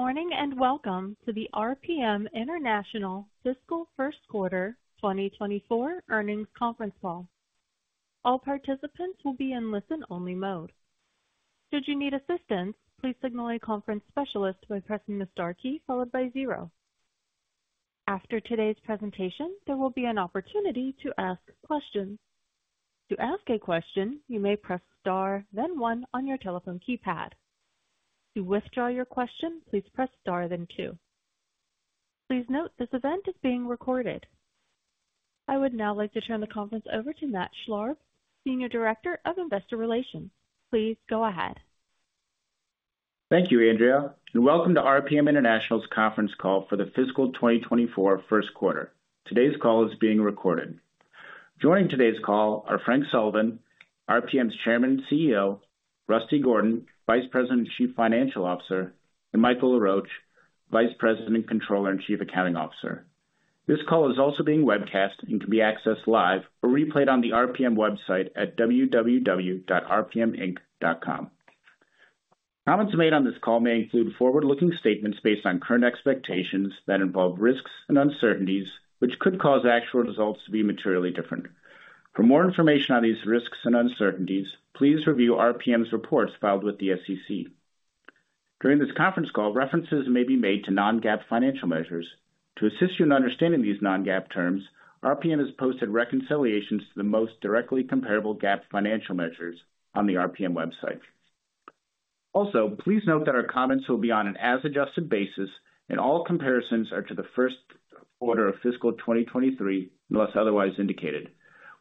Good morning, and welcome to the RPM International Fiscal First Quarter 2024 earnings conference call. All participants will be in listen-only mode. Should you need assistance, please signal a conference specialist by pressing the star key followed by zero. After today's presentation, there will be an opportunity to ask questions. To ask a question, you may press Star, then one on your telephone keypad. To withdraw your question, please press Star, then two. Please note, this event is being recorded. I would now like to turn the conference over to Matt Schlarb, Senior Director of Investor Relations. Please go ahead. Thank you, Andrea, and welcome to RPM International's conference call for the fiscal 2024 first quarter. Today's call is being recorded. Joining today's call are Frank Sullivan, RPM's Chairman and CEO, Rusty Gordon, Vice President and Chief Financial Officer, and Michael Laroche, Vice President and Controller and Chief Accounting Officer. This call is also being webcast and can be accessed live or replayed on the RPM website at www.rpminc.com. Comments made on this call may include forward-looking statements based on current expectations that involve risks and uncertainties, which could cause actual results to be materially different. For more information on these risks and uncertainties, please review RPM's reports filed with the SEC. During this conference call, references may be made to non-GAAP financial measures. To assist you in understanding these non-GAAP terms, RPM has posted reconciliations to the most directly comparable GAAP financial measures on the RPM website. Also, please note that our comments will be on an as-adjusted basis, and all comparisons are to the first quarter of fiscal 2023, unless otherwise indicated.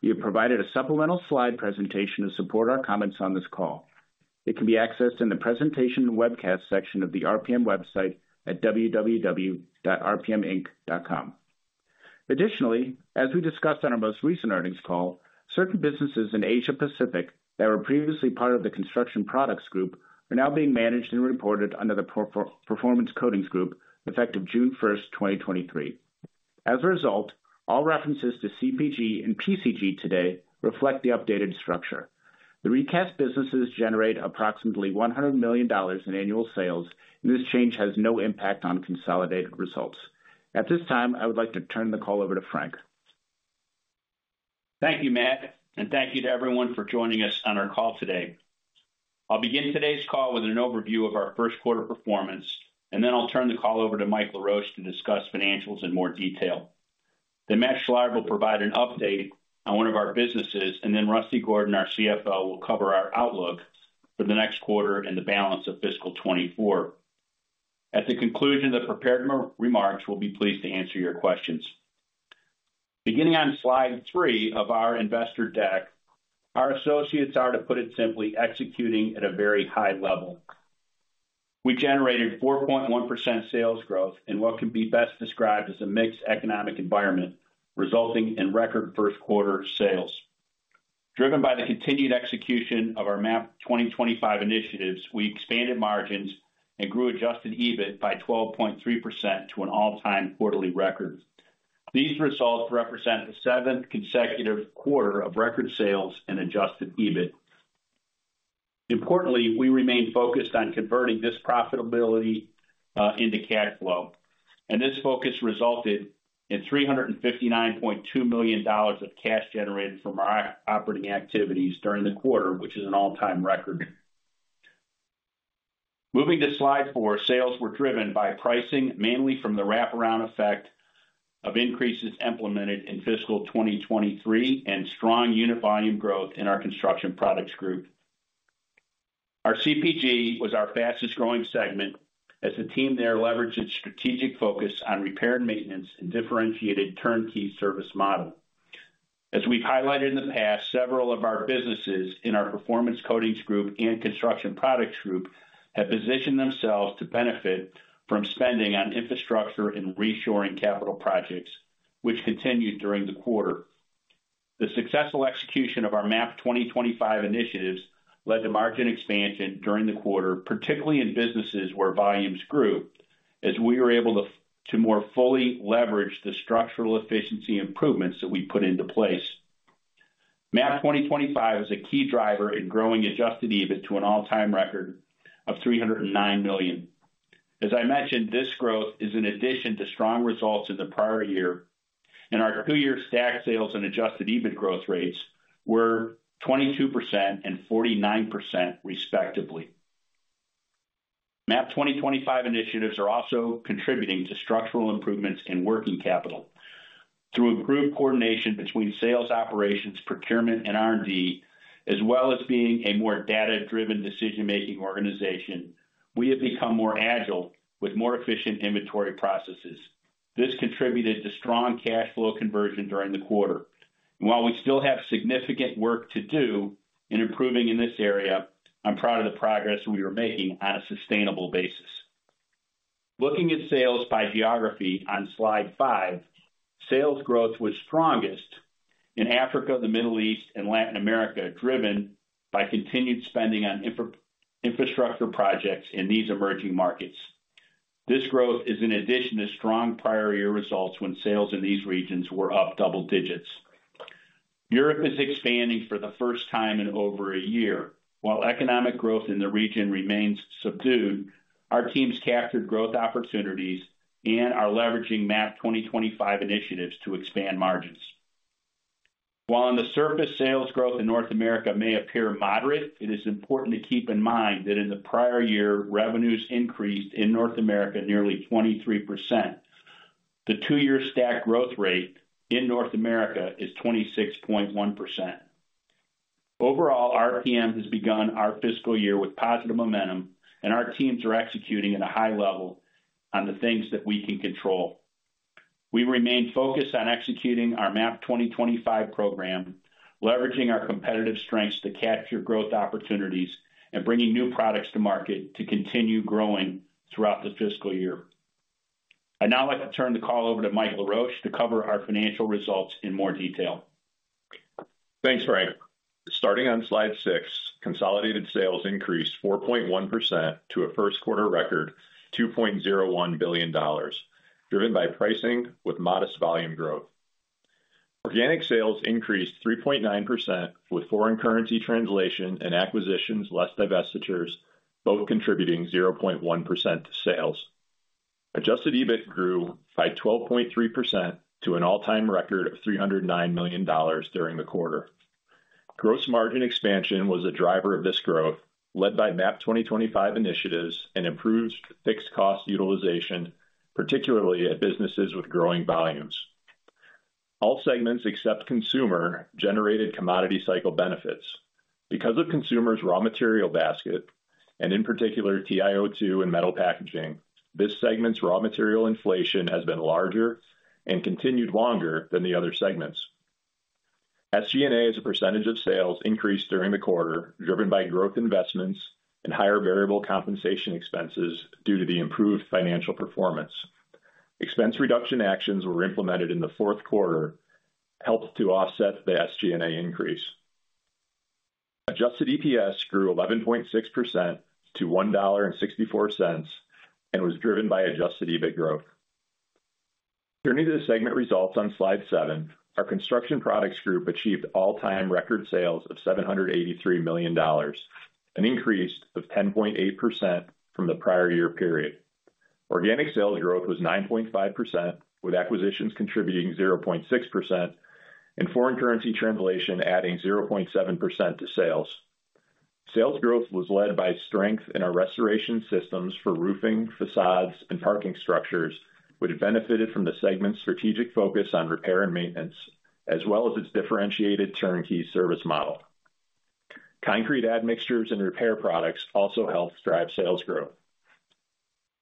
We have provided a supplemental slide presentation to support our comments on this call. It can be accessed in the presentation and webcast section of the RPM website at www.rpminc.com. Additionally, as we discussed on our most recent earnings call, certain businesses in Asia Pacific that were previously part of the Construction Products Group are now being managed and reported under the Performance Coatings Group, effective June 1, 2023. As a result, all references to CPG and PCG today reflect the updated structure. The recast businesses generate approximately $100 million in annual sales, and this change has no impact on consolidated results. At this time, I would like to turn the call over to Frank. Thank you, Matt, and thank you to everyone for joining us on our call today. I'll begin today's call with an overview of our first quarter performance, and then I'll turn the call over to Mike Laroche to discuss financials in more detail. Then Matt Schlarb will provide an update on one of our businesses, and then Rusty Gordon, our CFO, will cover our outlook for the next quarter and the balance of fiscal 2024. At the conclusion of the prepared remarks, we'll be pleased to answer your questions. Beginning on slide 3 of our investor deck, our associates are, to put it simply, executing at a very high level. We generated 4.1% sales growth in what could be best described as a mixed economic environment, resulting in record first quarter sales. Driven by the continued execution of our MAP 2025 initiatives, we expanded margins and grew adjusted EBIT by 12.3% to an all-time quarterly record. These results represent the seventh consecutive quarter of record sales and adjusted EBIT. Importantly, we remain focused on converting this profitability into cash flow, and this focus resulted in $359.2 million of cash generated from our operating activities during the quarter, which is an all-time record. Moving to slide 4, sales were driven by pricing, mainly from the wraparound effect of increases implemented in fiscal 2023 and strong unit volume growth in our Construction Products Group. Our CPG was our fastest growing segment as the team there leveraged its strategic focus on repair and maintenance and differentiated turnkey service model. As we've highlighted in the past, several of our businesses in our Performance Coatings Group and Construction Products Group have positioned themselves to benefit from spending on infrastructure and reshoring capital projects, which continued during the quarter. The successful execution of our MAP 2025 initiatives led to margin expansion during the quarter, particularly in businesses where volumes grew, as we were able to more fully leverage the structural efficiency improvements that we put into place. MAP 2025 is a key driver in growing adjusted EBIT to an all-time record of $309 million. As I mentioned, this growth is in addition to strong results in the prior year, and our two-year stacked sales and adjusted EBIT growth rates were 22% and 49%, respectively. MAP 2025 initiatives are also contributing to structural improvements in working capital. Through improved coordination between sales, operations, procurement, and R&D, as well as being a more data-driven decision-making organization, we have become more agile with more efficient inventory processes. This contributed to strong cash flow conversion during the quarter. And while we still have significant work to do in improving in this area, I'm proud of the progress we are making on a sustainable basis. Looking at sales by geography on slide five, sales growth was strongest in Africa, the Middle East, and Latin America, driven by continued spending on infrastructure projects in these emerging markets. This growth is in addition to strong prior year results, when sales in these regions were up double digits. Europe is expanding for the first time in over a year. While economic growth in the region remains subdued, our teams captured growth opportunities and are leveraging MAP 2025 initiatives to expand margins. While on the surface, sales growth in North America may appear moderate, it is important to keep in mind that in the prior year, revenues increased in North America nearly 23%. The two-year stack growth rate in North America is 26.1%. Overall, RPM has begun our fiscal year with positive momentum, and our teams are executing at a high level on the things that we can control. We remain focused on executing our MAP 2025 program, leveraging our competitive strengths to capture growth opportunities, and bringing new products to market to continue growing throughout the fiscal year. I'd now like to turn the call over to Mike Laroche, to cover our financial results in more detail. Thanks, Frank. Starting on slide six, consolidated sales increased 4.1% to a first quarter record, $2.01 billion, driven by pricing with modest volume growth. Organic sales increased 3.9%, with foreign currency translation and acquisitions less divestitures, both contributing 0.1% to sales. Adjusted EBIT grew by 12.3% to an all-time record of $309 million during the quarter. Gross margin expansion was a driver of this growth, led by MAP 2025 initiatives and improved fixed cost utilization, particularly at businesses with growing volumes. All segments, except consumer, generated commodity cycle benefits. Because of consumer's raw material basket, and in particular, TiO2 and metal packaging, this segment's raw material inflation has been larger and continued longer than the other segments. SG&A, as a percentage of sales, increased during the quarter, driven by growth investments and higher variable compensation expenses due to the improved financial performance. Expense reduction actions were implemented in the fourth quarter, helped to offset the SG&A increase. Adjusted EPS grew 11.6% to $1.64, and was driven by adjusted EBIT growth. Turning to the segment results on Slide seven, our Construction Products Group achieved all-time record sales of $783 million, an increase of 10.8% from the prior year period. Organic sales growth was 9.5%, with acquisitions contributing 0.6%, and foreign currency translation adding 0.7% to sales. Sales growth was led by strength in our restoration systems for roofing, facades, and parking structures, which benefited from the segment's strategic focus on repair and maintenance, as well as its differentiated turnkey service model. Concrete admixtures and repair products also helped drive sales growth.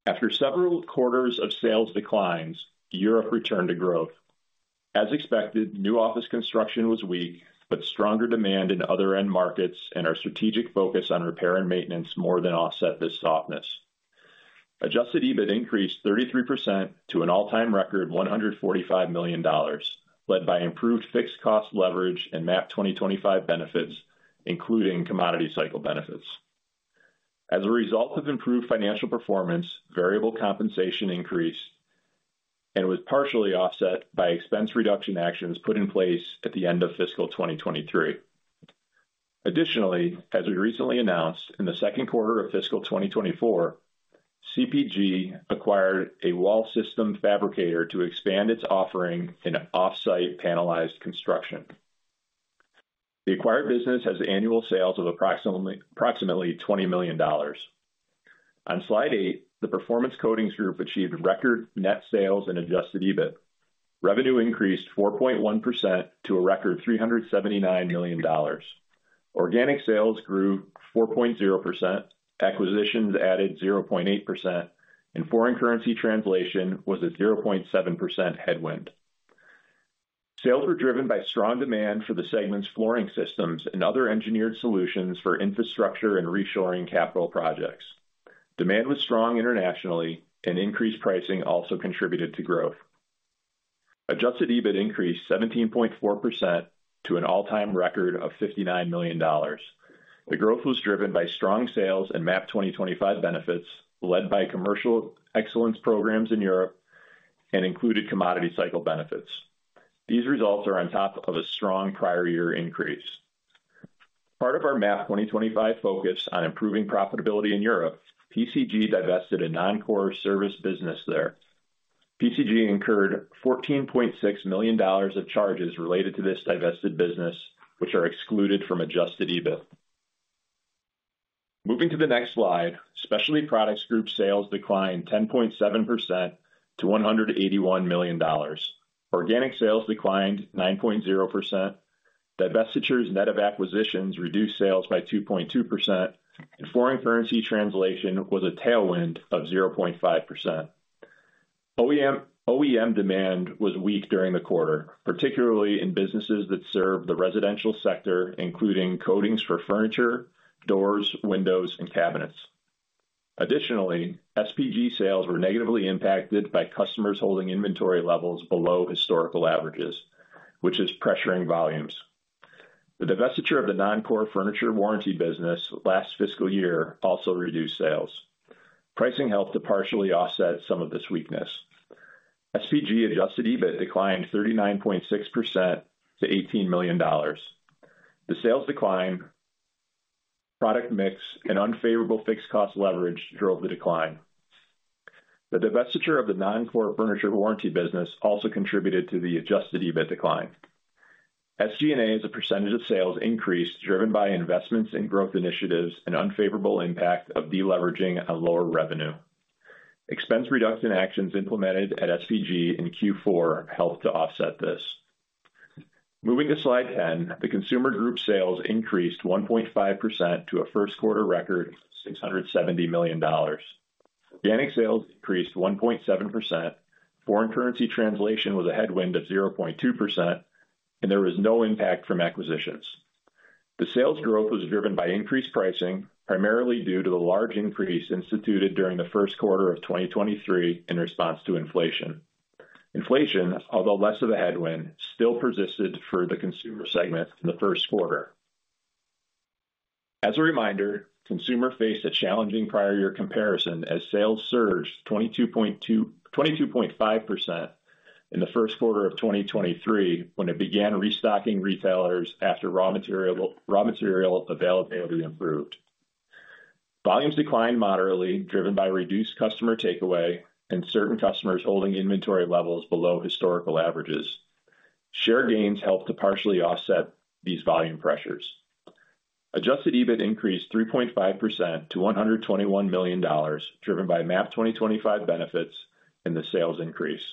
After several quarters of sales declines, Europe returned to growth. As expected, new office construction was weak, but stronger demand in other end markets and our strategic focus on repair and maintenance more than offset this softness. Adjusted EBIT increased 33% to an all-time record, $145 million, led by improved fixed cost leverage and MAP 2025 benefits, including commodity cycle benefits. As a result of improved financial performance, variable compensation increased and was partially offset by expense reduction actions put in place at the end of fiscal 2023. Additionally, as we recently announced, in the second quarter of fiscal 2024, CPG acquired a wall system fabricator to expand its offering in an off-site panelized construction. The acquired business has annual sales of approximately $20 million. On Slide eight, the Performance Coatings Group achieved record net sales and adjusted EBIT. Revenue increased 4.1% to a record $379 million. Organic sales grew 4.0%, acquisitions added 0.8%, and foreign currency translation was a 0.7% headwind. Sales were driven by strong demand for the segment's flooring systems and other engineered solutions for infrastructure and reshoring capital projects. Demand was strong internationally and increased pricing also contributed to growth. Adjusted EBIT increased 17.4% to an all-time record of $59 million. The growth was driven by strong sales and MAP 2025 benefits, led by commercial excellence programs in Europe and included commodity cycle benefits. These results are on top of a strong prior year increase. Part of our MAP 2025 focus on improving profitability in Europe, PCG divested a non-core service business there. PCG incurred $14.6 million of charges related to this divested business, which are excluded from Adjusted EBIT. Moving to the next slide, Specialty Products Group sales declined 10.7% to $181 million. Organic sales declined 9.0%. Divestitures net of acquisitions reduced sales by 2.2%, and foreign currency translation was a tailwind of 0.5%. OEM, OEM demand was weak during the quarter, particularly in businesses that serve the residential sector, including coatings for furniture, doors, windows, and cabinets. Additionally, SPG sales were negatively impacted by customers holding inventory levels below historical averages, which is pressuring volumes. The divestiture of the non-core furniture warranty business last fiscal year also reduced sales. Pricing helped to partially offset some of this weakness. SPG adjusted EBIT declined 39.6% to $18 million. The sales decline, product mix, and unfavorable fixed cost leverage drove the decline. The divestiture of the non-core furniture warranty business also contributed to the adjusted EBIT decline. SG&A, as a percentage of sales, increased, driven by investments in growth initiatives and unfavorable impact of deleveraging on lower revenue. Expense reduction actions implemented at SPG in Q4 helped to offset this. Moving to Slide 10, the Consumer Group sales increased 1.5% to a first quarter record, $670 million. Organic sales increased 1.7%. Foreign currency translation was a headwind of 0.2%, and there was no impact from acquisitions. The sales growth was driven by increased pricing, primarily due to the large increase instituted during the first quarter of 2023 in response to inflation. Inflation, although less of a headwind, still persisted for the consumer segment in the first quarter. As a reminder, consumer faced a challenging prior year comparison as sales surged 22.2%-22.5% in the first quarter of 2023, when it began restocking retailers after raw material availability improved. Volumes declined moderately, driven by reduced customer takeaway and certain customers holding inventory levels below historical averages. Share gains helped to partially offset these volume pressures. Adjusted EBIT increased 3.5% to $121 million, driven by MAP 2025 benefits and the sales increase.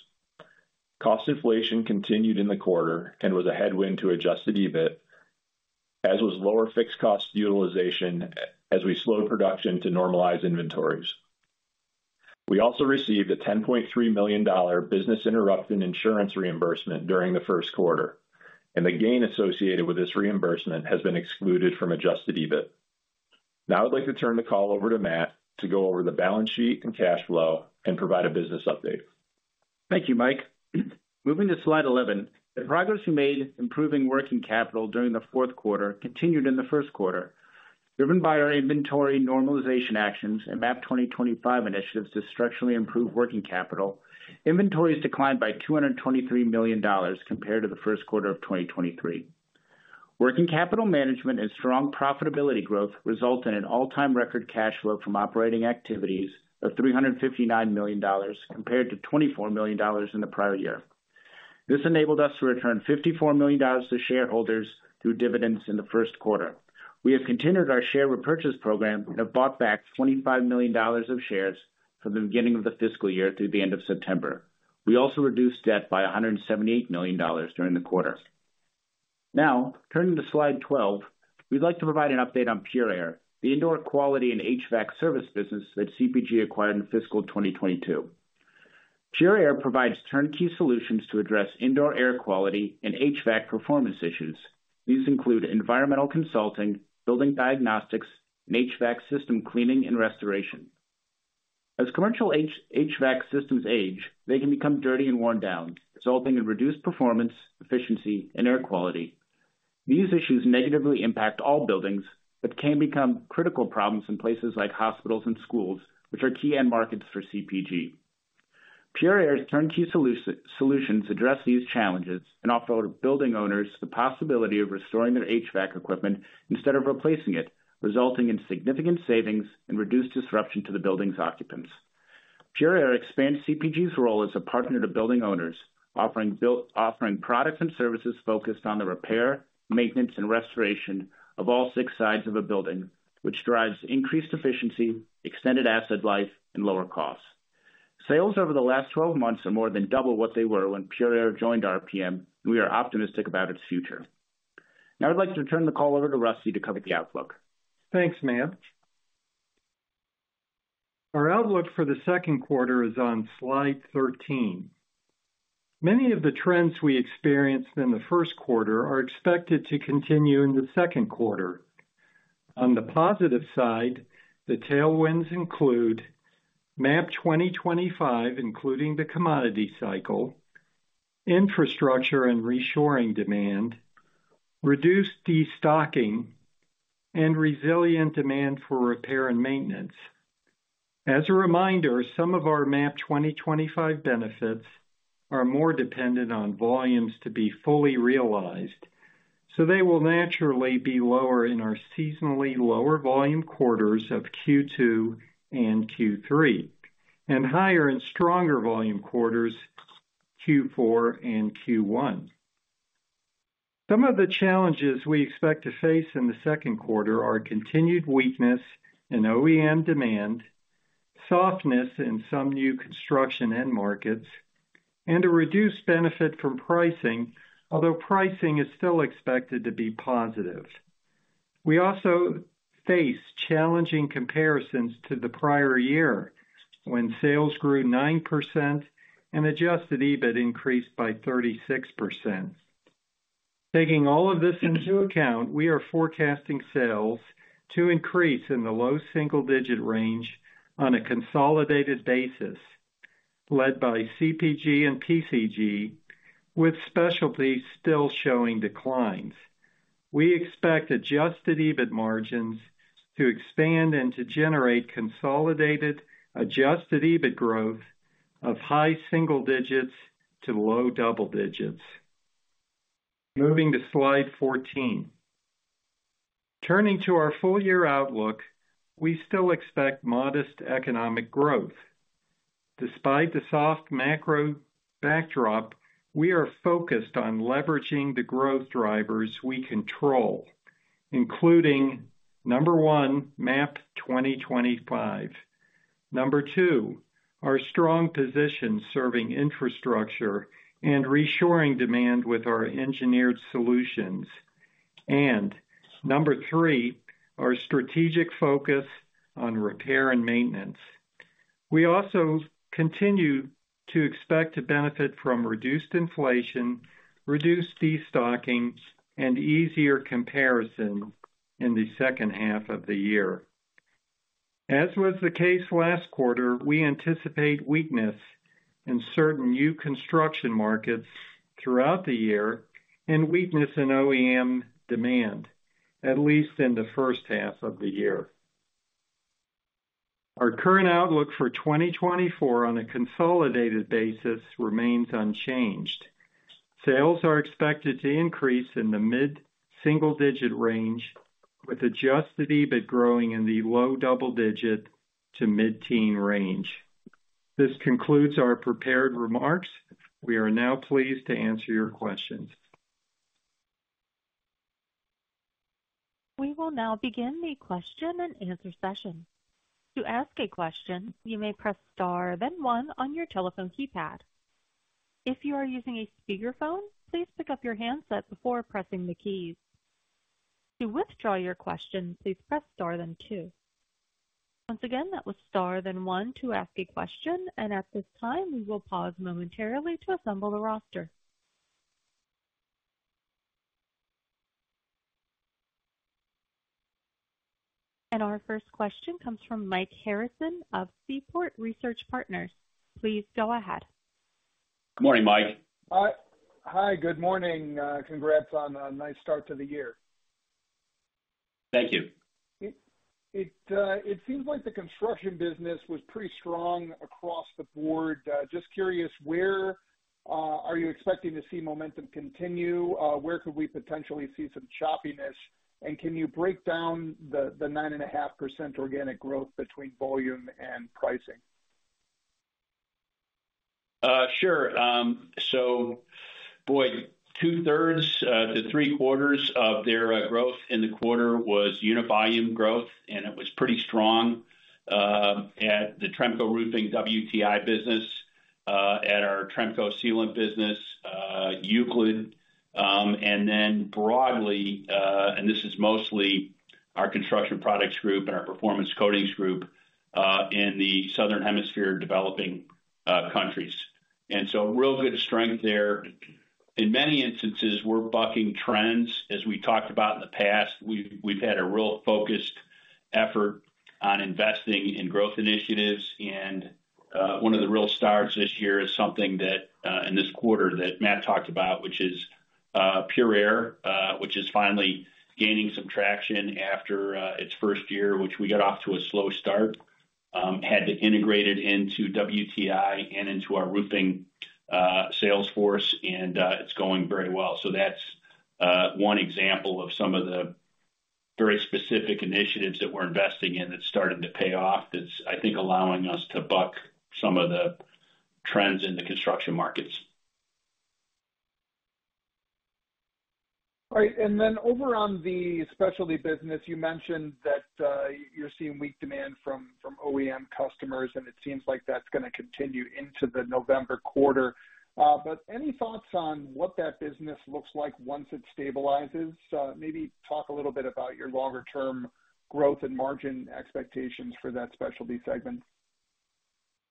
Cost inflation continued in the quarter and was a headwind to adjusted EBIT, as was lower fixed cost utilization, as we slowed production to normalize inventories. We also received a $10.3 million business interruption insurance reimbursement during the first quarter, and the gain associated with this reimbursement has been excluded from adjusted EBIT. Now I'd like to turn the call over to Matt to go over the balance sheet and cash flow and provide a business update. Thank you, Mike. Moving to slide 11. The progress we made improving working capital during the fourth quarter continued in the first quarter, driven by our inventory normalization actions and MAP 2025 initiatives to structurally improve working capital. Inventories declined by $223 million compared to the first quarter of 2023. Working capital management and strong profitability growth result in an all-time record cash flow from operating activities of $359 million, compared to $24 million in the prior year. This enabled us to return $54 million to shareholders through dividends in the first quarter. We have continued our share repurchase program and have bought back $25 million of shares from the beginning of the fiscal year through the end of September. We also reduced debt by $178 million during the quarter. Now, turning to slide 12, we'd like to provide an update on Pure Air, the indoor air quality and HVAC service business that CPG acquired in fiscal 2022. Pure Air provides turnkey solutions to address indoor air quality and HVAC performance issues. These include environmental consulting, building diagnostics, and HVAC system cleaning and restoration. As commercial HVAC systems age, they can become dirty and worn down, resulting in reduced performance, efficiency, and air quality. These issues negatively impact all buildings, but can become critical problems in places like hospitals and schools, which are key end markets for CPG. Pure Air's turnkey solutions address these challenges and offer building owners the possibility of restoring their HVAC equipment instead of replacing it, resulting in significant savings and reduced disruption to the building's occupants. Pure Air expands CPG's role as a partner to building owners, offering products and services focused on the repair, maintenance, and restoration of all six sides of a building, which drives increased efficiency, extended asset life, and lower costs. Sales over the last 12 months are more than double what they were when Pure Air joined RPM, and we are optimistic about its future. Now I'd like to turn the call over to Rusty to cover the outlook. Thanks, Matt. Our outlook for the second quarter is on slide 13. Many of the trends we experienced in the first quarter are expected to continue in the second quarter. On the positive side, the tailwinds include MAP 2025, including the commodity cycle, infrastructure and reshoring demand, reduced destocking, and resilient demand for repair and maintenance. As a reminder, some of our MAP 2025 benefits are more dependent on volumes to be fully realized, so they will naturally be lower in our seasonally lower volume quarters of Q2 and Q3, and higher in stronger volume quarters, Q4 and Q1. Some of the challenges we expect to face in the second quarter are continued weakness in OEM demand, softness in some new construction end markets, and a reduced benefit from pricing, although pricing is still expected to be positive. We also face challenging comparisons to the prior year, when sales grew 9% and adjusted EBIT increased by 36%. Taking all of this into account, we are forecasting sales to increase in the low single-digit range on a consolidated basis, led by CPG and PCG, with Specialty still showing declines. We expect adjusted EBIT margins to expand and to generate consolidated adjusted EBIT growth of high single digits to low double digits. Moving to slide 14. Turning to our full-year outlook, we still expect modest economic growth. Despite the soft macro backdrop, we are focused on leveraging the growth drivers we control, including, number one, MAP 2025. Number two, our strong position serving infrastructure and reshoring demand with our engineered solutions. And number three, our strategic focus on repair and maintenance. We also continue to expect to benefit from reduced inflation, reduced destocking, and easier comparison in the second half of the year. As was the case last quarter, we anticipate weakness in certain new construction markets throughout the year and weakness in OEM demand, at least in the first half of the year. Our current outlook for 2024 on a consolidated basis remains unchanged. Sales are expected to increase in the mid-single-digit range, with adjusted EBIT growing in the low double-digit to mid-teen range. This concludes our prepared remarks. We are now pleased to answer your questions. We will now begin the question and answer session. To ask a question, you may press Star, then one on your telephone keypad. If you are using a speakerphone, please pick up your handset before pressing the keys. To withdraw your question, please press star, then two. Once again, that was star, then one to ask a question, and at this time, we will pause momentarily to assemble the roster. Our first question comes from Mike Harrison of Seaport Research Partners. Please go ahead. Good morning, Mike. Hi. Hi, good morning. Congrats on a nice start to the year. Thank you. It seems like the construction business was pretty strong across the board. Just curious, where are you expecting to see momentum continue? Where could we potentially see some choppiness? Can you break down the 9.5% organic growth between volume and pricing? Sure. So boy, two-thirds to three-quarters of their growth in the quarter was unit volume growth, and it was pretty strong at the Tremco Roofing WTI business, at our Tremco Sealant business, Euclid, and then broadly, and this is mostly our Construction Products Group and our Performance Coatings Group, in the Southern Hemisphere, developing countries. And so real good strength there. In many instances, we're bucking trends. As we talked about in the past, we've had a real focused effort on investing in growth initiatives, and one of the real stars this year is something that in this quarter that Matt talked about, which is Pure Air, which is finally gaining some traction after its first year, which we got off to a slow start, had to integrate it into WTI and into our roofing sales force, and it's going very well. So that's one example of some of the very specific initiatives that we're investing in that's starting to pay off, that's, I think, allowing us to buck some of the trends in the construction markets. All right. Then over on the specialty business, you mentioned that, you're seeing weak demand from OEM customers, and it seems like that's gonna continue into the November quarter. Any thoughts on what that business looks like once it stabilizes? Maybe talk a little bit about your longer-term growth and margin expectations for that specialty segment?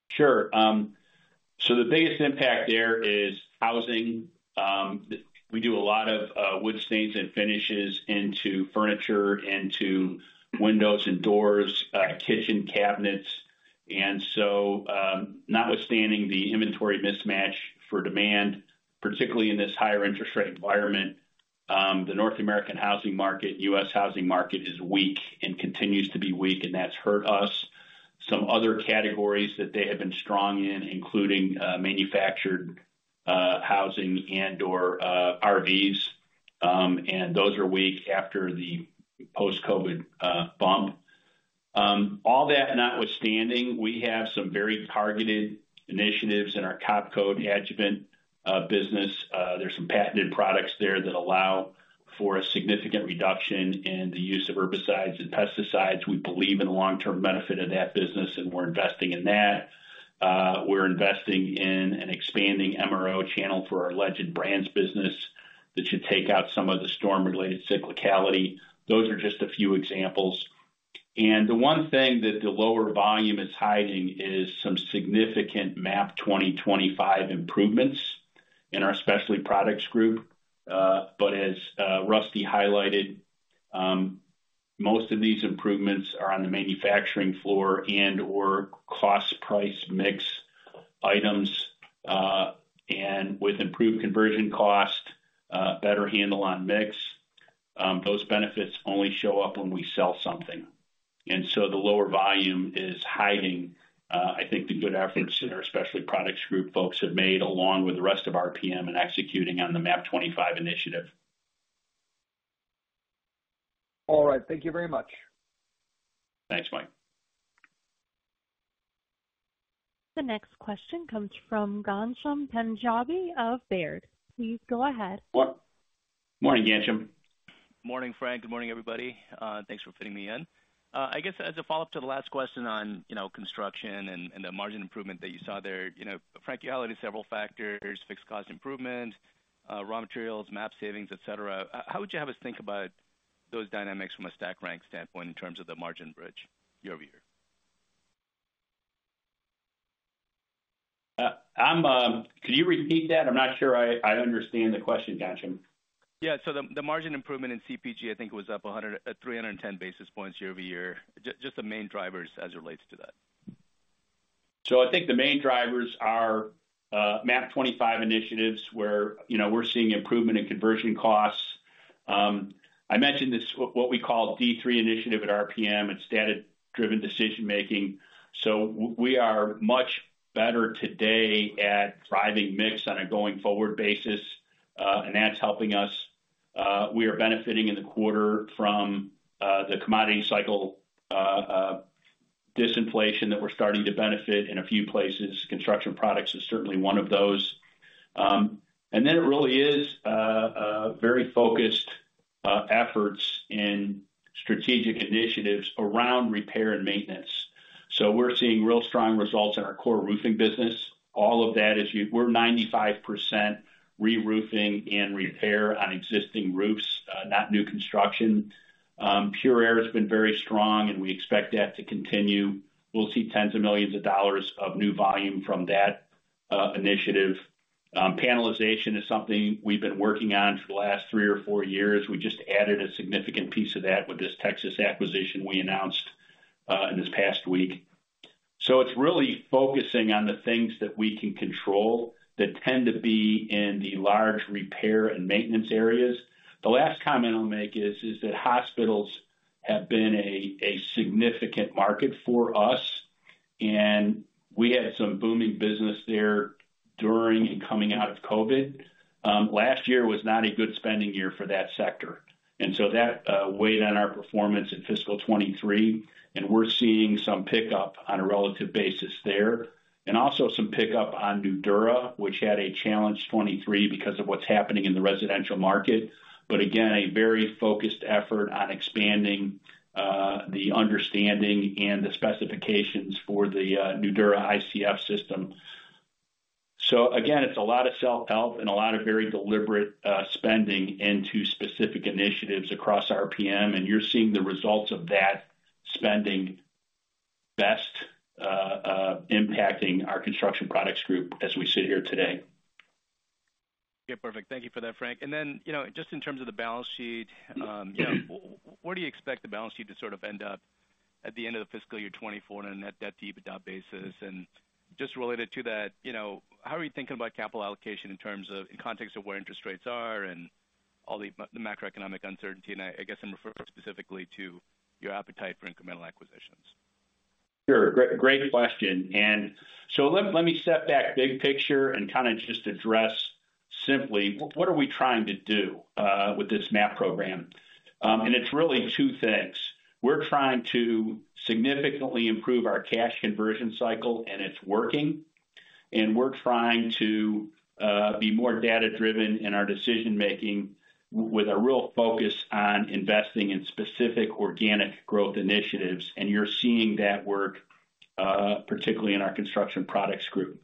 Sure. So the biggest impact there is housing. We do a lot of wood stains and finishes into furniture, into windows and doors, kitchen cabinets, and so, notwithstanding the inventory mismatch for demand, particularly in this higher interest rate environment, the North American housing market, U.S. housing market, is weak and continues to be weak, and that's hurt us. Some other categories that they have been strong in, including manufactured housing and/or RVs, and those are weak after the post-COVID bump. All that notwithstanding, we have some very targeted initiatives in our Kop-Coat adjuvant business. There's some patented products there that allow for a significant reduction in the use of herbicides and pesticides. We believe in the long-term benefit of that business, and we're investing in that. We're investing in an expanding MRO channel for our Legend Brands business that should take out some of the storm-related cyclicality. Those are just a few examples, and the one thing that the lower volume is hiding is some significant MAP 2025 improvements... in our Specialty Products Group. But as Rusty highlighted, most of these improvements are on the manufacturing floor and/or cost price mix items. And with improved conversion cost, better handle on mix, those benefits only show up when we sell something. And so the lower volume is hiding, I think the good efforts that our Specialty Products Group folks have made, along with the rest of RPM, in executing on the MAP 2025 initiative. All right. Thank you very much. Thanks, Mike. The next question comes from Ghansham Panjabi of Baird. Please go ahead. Morning, Ghansham. Morning, Frank. Good morning, everybody. Thanks for fitting me in. I guess as a follow-up to the last question on, you know, construction and, and the margin improvement that you saw there, you know, Frank, you highlighted several factors, fixed cost improvement, raw materials, MAP savings, et cetera. How would you have us think about those dynamics from a stack rank standpoint in terms of the margin bridge year over year? Could you repeat that? I'm not sure I understand the question, Gansham. Yeah. So the margin improvement in CPG, I think, was up 310 basis points year-over-year. Just the main drivers as it relates to that. So I think the main drivers are MAP 25 initiatives, where, you know, we're seeing improvement in conversion costs. I mentioned this, what we call D3 initiative at RPM. It's data-driven decision making. So we are much better today at driving mix on a going forward basis, and that's helping us. We are benefiting in the quarter from the commodity cycle, disinflation that we're starting to benefit in a few places. Construction Products is certainly one of those. And then it really is a very focused efforts in strategic initiatives around repair and maintenance. So we're seeing real strong results in our core roofing business. All of that is we're 95% reroofing and repair on existing roofs, not new construction. Pure Air has been very strong, and we expect that to continue. We'll see $ tens of millions of new volume from that initiative. Panelization is something we've been working on for the last three or four years. We just added a significant piece of that with this Texas acquisition we announced in this past week. So it's really focusing on the things that we can control that tend to be in the large repair and maintenance areas. The last comment I'll make is that hospitals have been a significant market for us, and we had some booming business there during and coming out of COVID. Last year was not a good spending year for that sector, and so that weighed on our performance in fiscal 2023, and we're seeing some pickup on a relative basis there, and also some pickup on Nudura, which had a challenged 2023 because of what's happening in the residential market. But again, a very focused effort on expanding the understanding and the specifications for the Nudura ICF system. So again, it's a lot of self-help and a lot of very deliberate spending into specific initiatives across RPM, and you're seeing the results of that spending best impacting our Construction Products Group as we sit here today. Yeah, perfect. Thank you for that, Frank. And then, you know, just in terms of the balance sheet, you know, where do you expect the balance sheet to sort of end up at the end of the fiscal year 2024 on a net debt to EBITDA basis? And just related to that, you know, how are you thinking about capital allocation in terms of, in context of where interest rates are and all the the macroeconomic uncertainty? And I guess I'm referring specifically to your appetite for incremental acquisitions. Sure. Great, great question. And so let me step back, big picture, and kinda just address simply: What are we trying to do with this MAP program? And it's really two things. We're trying to significantly improve our cash conversion cycle, and it's working. And we're trying to be more data-driven in our decision making, with a real focus on investing in specific organic growth initiatives, and you're seeing that work, particularly in our Construction Products Group.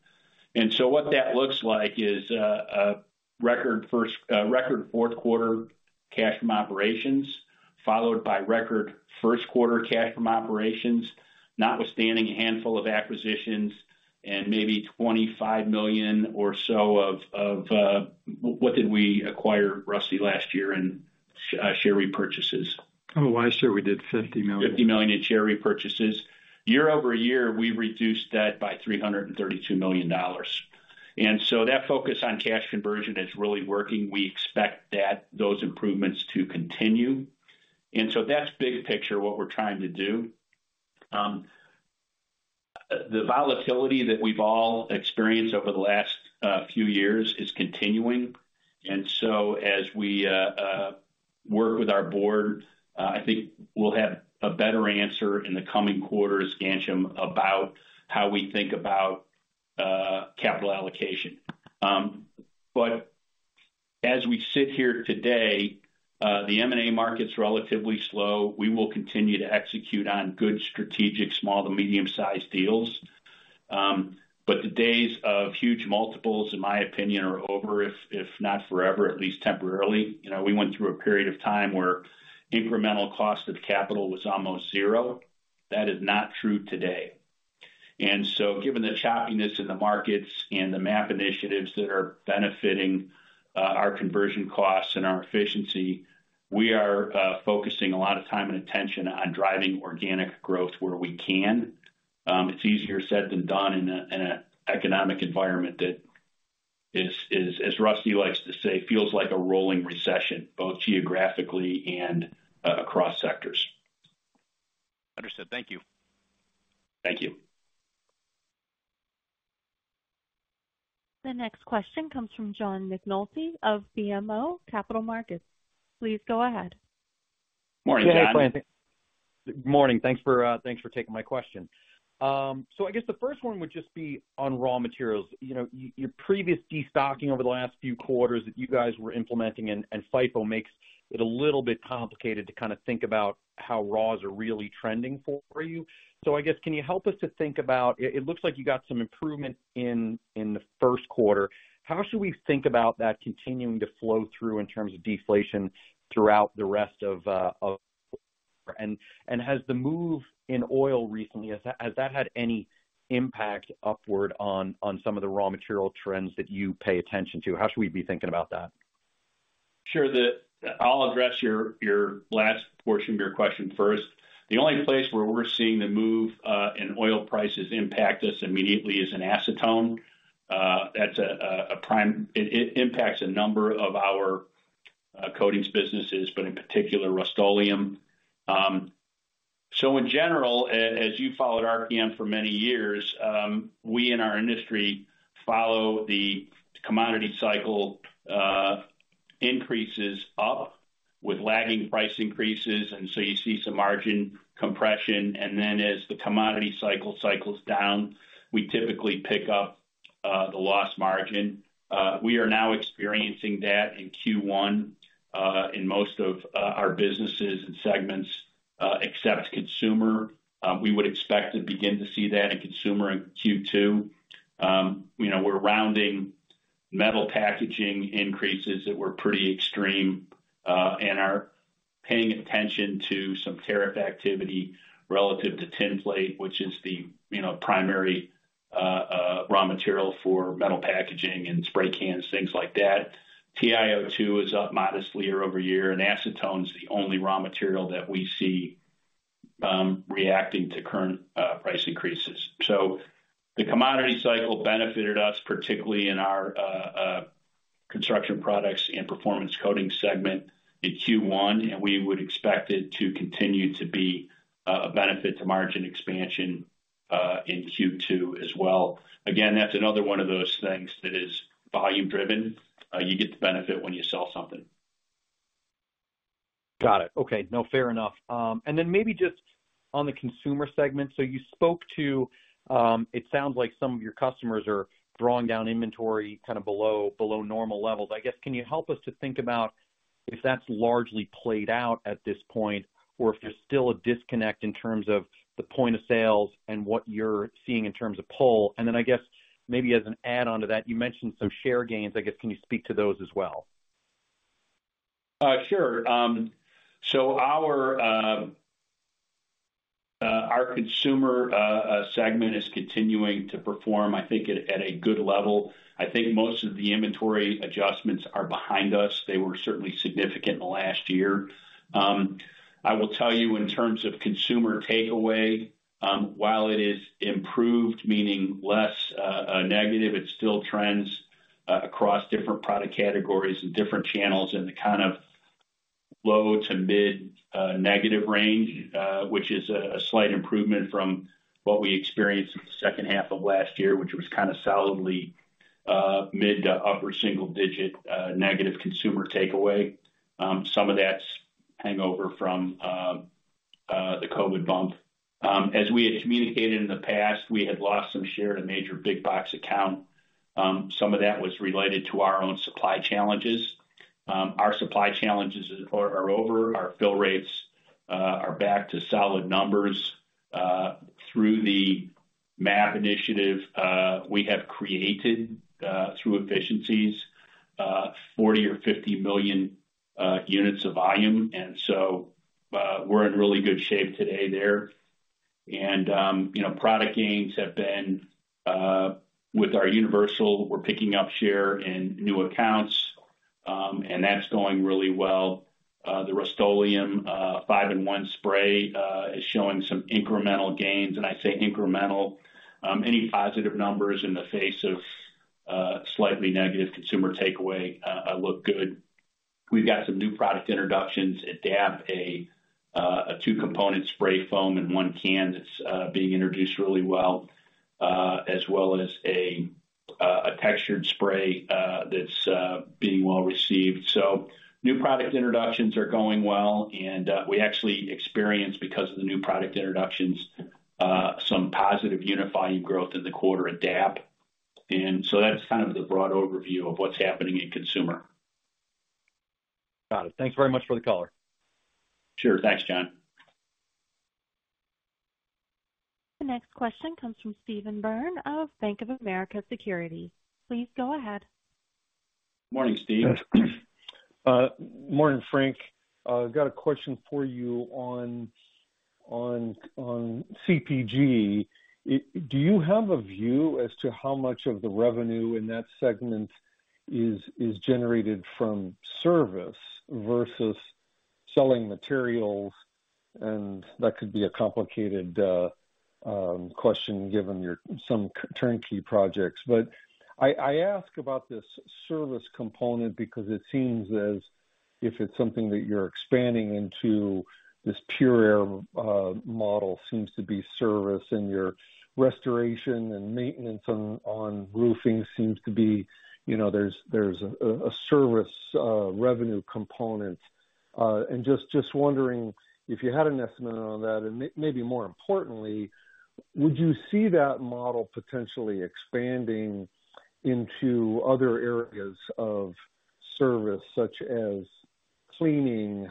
And so what that looks like is a record fourth quarter cash from operations, followed by record first quarter cash from operations, notwithstanding a handful of acquisitions and maybe $25 million or so of what did we acquire, Rusty, last year in share repurchases? Last year, we did $50 million. $50 million in share repurchases. Year-over-year, we reduced that by $332 million. And so that focus on cash conversion is really working. We expect that, those improvements to continue. And so that's big picture, what we're trying to do. The volatility that we've all experienced over the last few years is continuing, and so as we work with our board, I think we'll have a better answer in the coming quarters, Gansham, about how we think about capital allocation. But as we sit here today, the M&A market's relatively slow. We will continue to execute on good strategic, small- to medium-sized deals. But the days of huge multiples, in my opinion, are over, if, if not forever, at least temporarily. You know, we went through a period of time where incremental cost of capital was almost zero. That is not true today. And so given the choppiness in the markets and the MAP initiatives that are benefiting our conversion costs and our efficiency, we are focusing a lot of time and attention on driving organic growth where we can. It's easier said than done in an economic environment that is, as Rusty likes to say, "Feels like a rolling recession," both geographically and across sectors. Understood. Thank you. Thank you. The next question comes from John McNulty of BMO Capital Markets. Please go ahead. Morning, John. Good morning. Thanks for taking my question. So I guess the first one would just be on raw materials. You know, your previous destocking over the last few quarters that you guys were implementing and FIFO makes it a little bit complicated to kind of think about how raws are really trending for you. So I guess, can you help us to think about... It looks like you got some improvement in the first quarter. How should we think about that continuing to flow through in terms of deflation throughout the rest of and has the move in oil recently had any impact upward on some of the raw material trends that you pay attention to? How should we be thinking about that? Sure, I'll address your last portion of your question first. The only place where we're seeing the move in oil prices impact us immediately is in acetone. That's a prime. It impacts a number of our coatings businesses, but in particular, Rust-Oleum. So in general, as you followed RPM for many years, we in our industry follow the commodity cycle, increases up with lagging price increases, and so you see some margin compression. And then as the commodity cycle cycles down, we typically pick up the lost margin. We are now experiencing that in Q1 in most of our businesses and segments, except consumer. We would expect to begin to see that in consumer in Q2. You know, we're rounding metal packaging increases that were pretty extreme, and are paying attention to some tariff activity relative to tin plate, which is the, you know, primary raw material for metal packaging and spray cans, things like that. TiO2 is up modestly year-over-year, and acetone is the only raw material that we see reacting to current price increases. So the commodity cycle benefited us, particularly in our construction products and performance coatings segment in Q1, and we would expect it to continue to be a benefit to margin expansion in Q2 as well. Again, that's another one of those things that is volume driven. You get the benefit when you sell something. Got it. Okay. No, fair enough. And then maybe just on the consumer segment. So you spoke to, it sounds like some of your customers are drawing down inventory kind of below normal levels. I guess, can you help us to think about if that's largely played out at this point, or if there's still a disconnect in terms of the point of sale and what you're seeing in terms of pull? And then I guess, maybe as an add on to that, you mentioned some share gains. I guess, can you speak to those as well? Sure. So our consumer segment is continuing to perform, I think, at a good level. I think most of the inventory adjustments are behind us. They were certainly significant in the last year. I will tell you, in terms of consumer takeaway, while it is improved, meaning less negative, it still trends across different product categories and different channels in the kind of low to mid negative range, which is a slight improvement from what we experienced in the second half of last year, which was kind of solidly mid to upper single digit negative consumer takeaway. Some of that's hangover from the COVID bump. As we had communicated in the past, we had lost some share in a major big box account. Some of that was related to our own supply challenges. Our supply challenges are over. Our fill rates are back to solid numbers. Through the MAP initiative, we have created, through efficiencies, 40 million or 50 million units of volume, and so, we're in really good shape today there. And, you know, product gains have been, with our Universal, we're picking up share in new accounts, and that's going really well. The Rust-Oleum 5-in-1 spray is showing some incremental gains, and I say incremental. Any positive numbers in the face of slightly negative Consumer Takeaway look good. We've got some new product introductions at DAP, a two-component spray foam in one can that's being introduced really well, as well as a textured spray that's being well received. So new product introductions are going well, and we actually experienced, because of the new product introductions, some positive unit volume growth in the quarter at DAP. And so that's kind of the broad overview of what's happening in consumer. Got it. Thanks very much for the color. Sure. Thanks, John. The next question comes from Steven Byrne of Bank of America Securities. Please go ahead.... Morning, Steve. Morning, Frank. Got a question for you on CPG. Do you have a view as to how much of the revenue in that segment is generated from service versus selling materials? And that could be a complicated question, given your some turnkey projects. But I ask about this service component because it seems as if it's something that you're expanding into, this Pure Air model seems to be service, and your restoration and maintenance on roofing seems to be, you know, there's a service revenue component. And just wondering if you had an estimate on that, and maybe more importantly, would you see that model potentially expanding into other areas of service, such as cleaning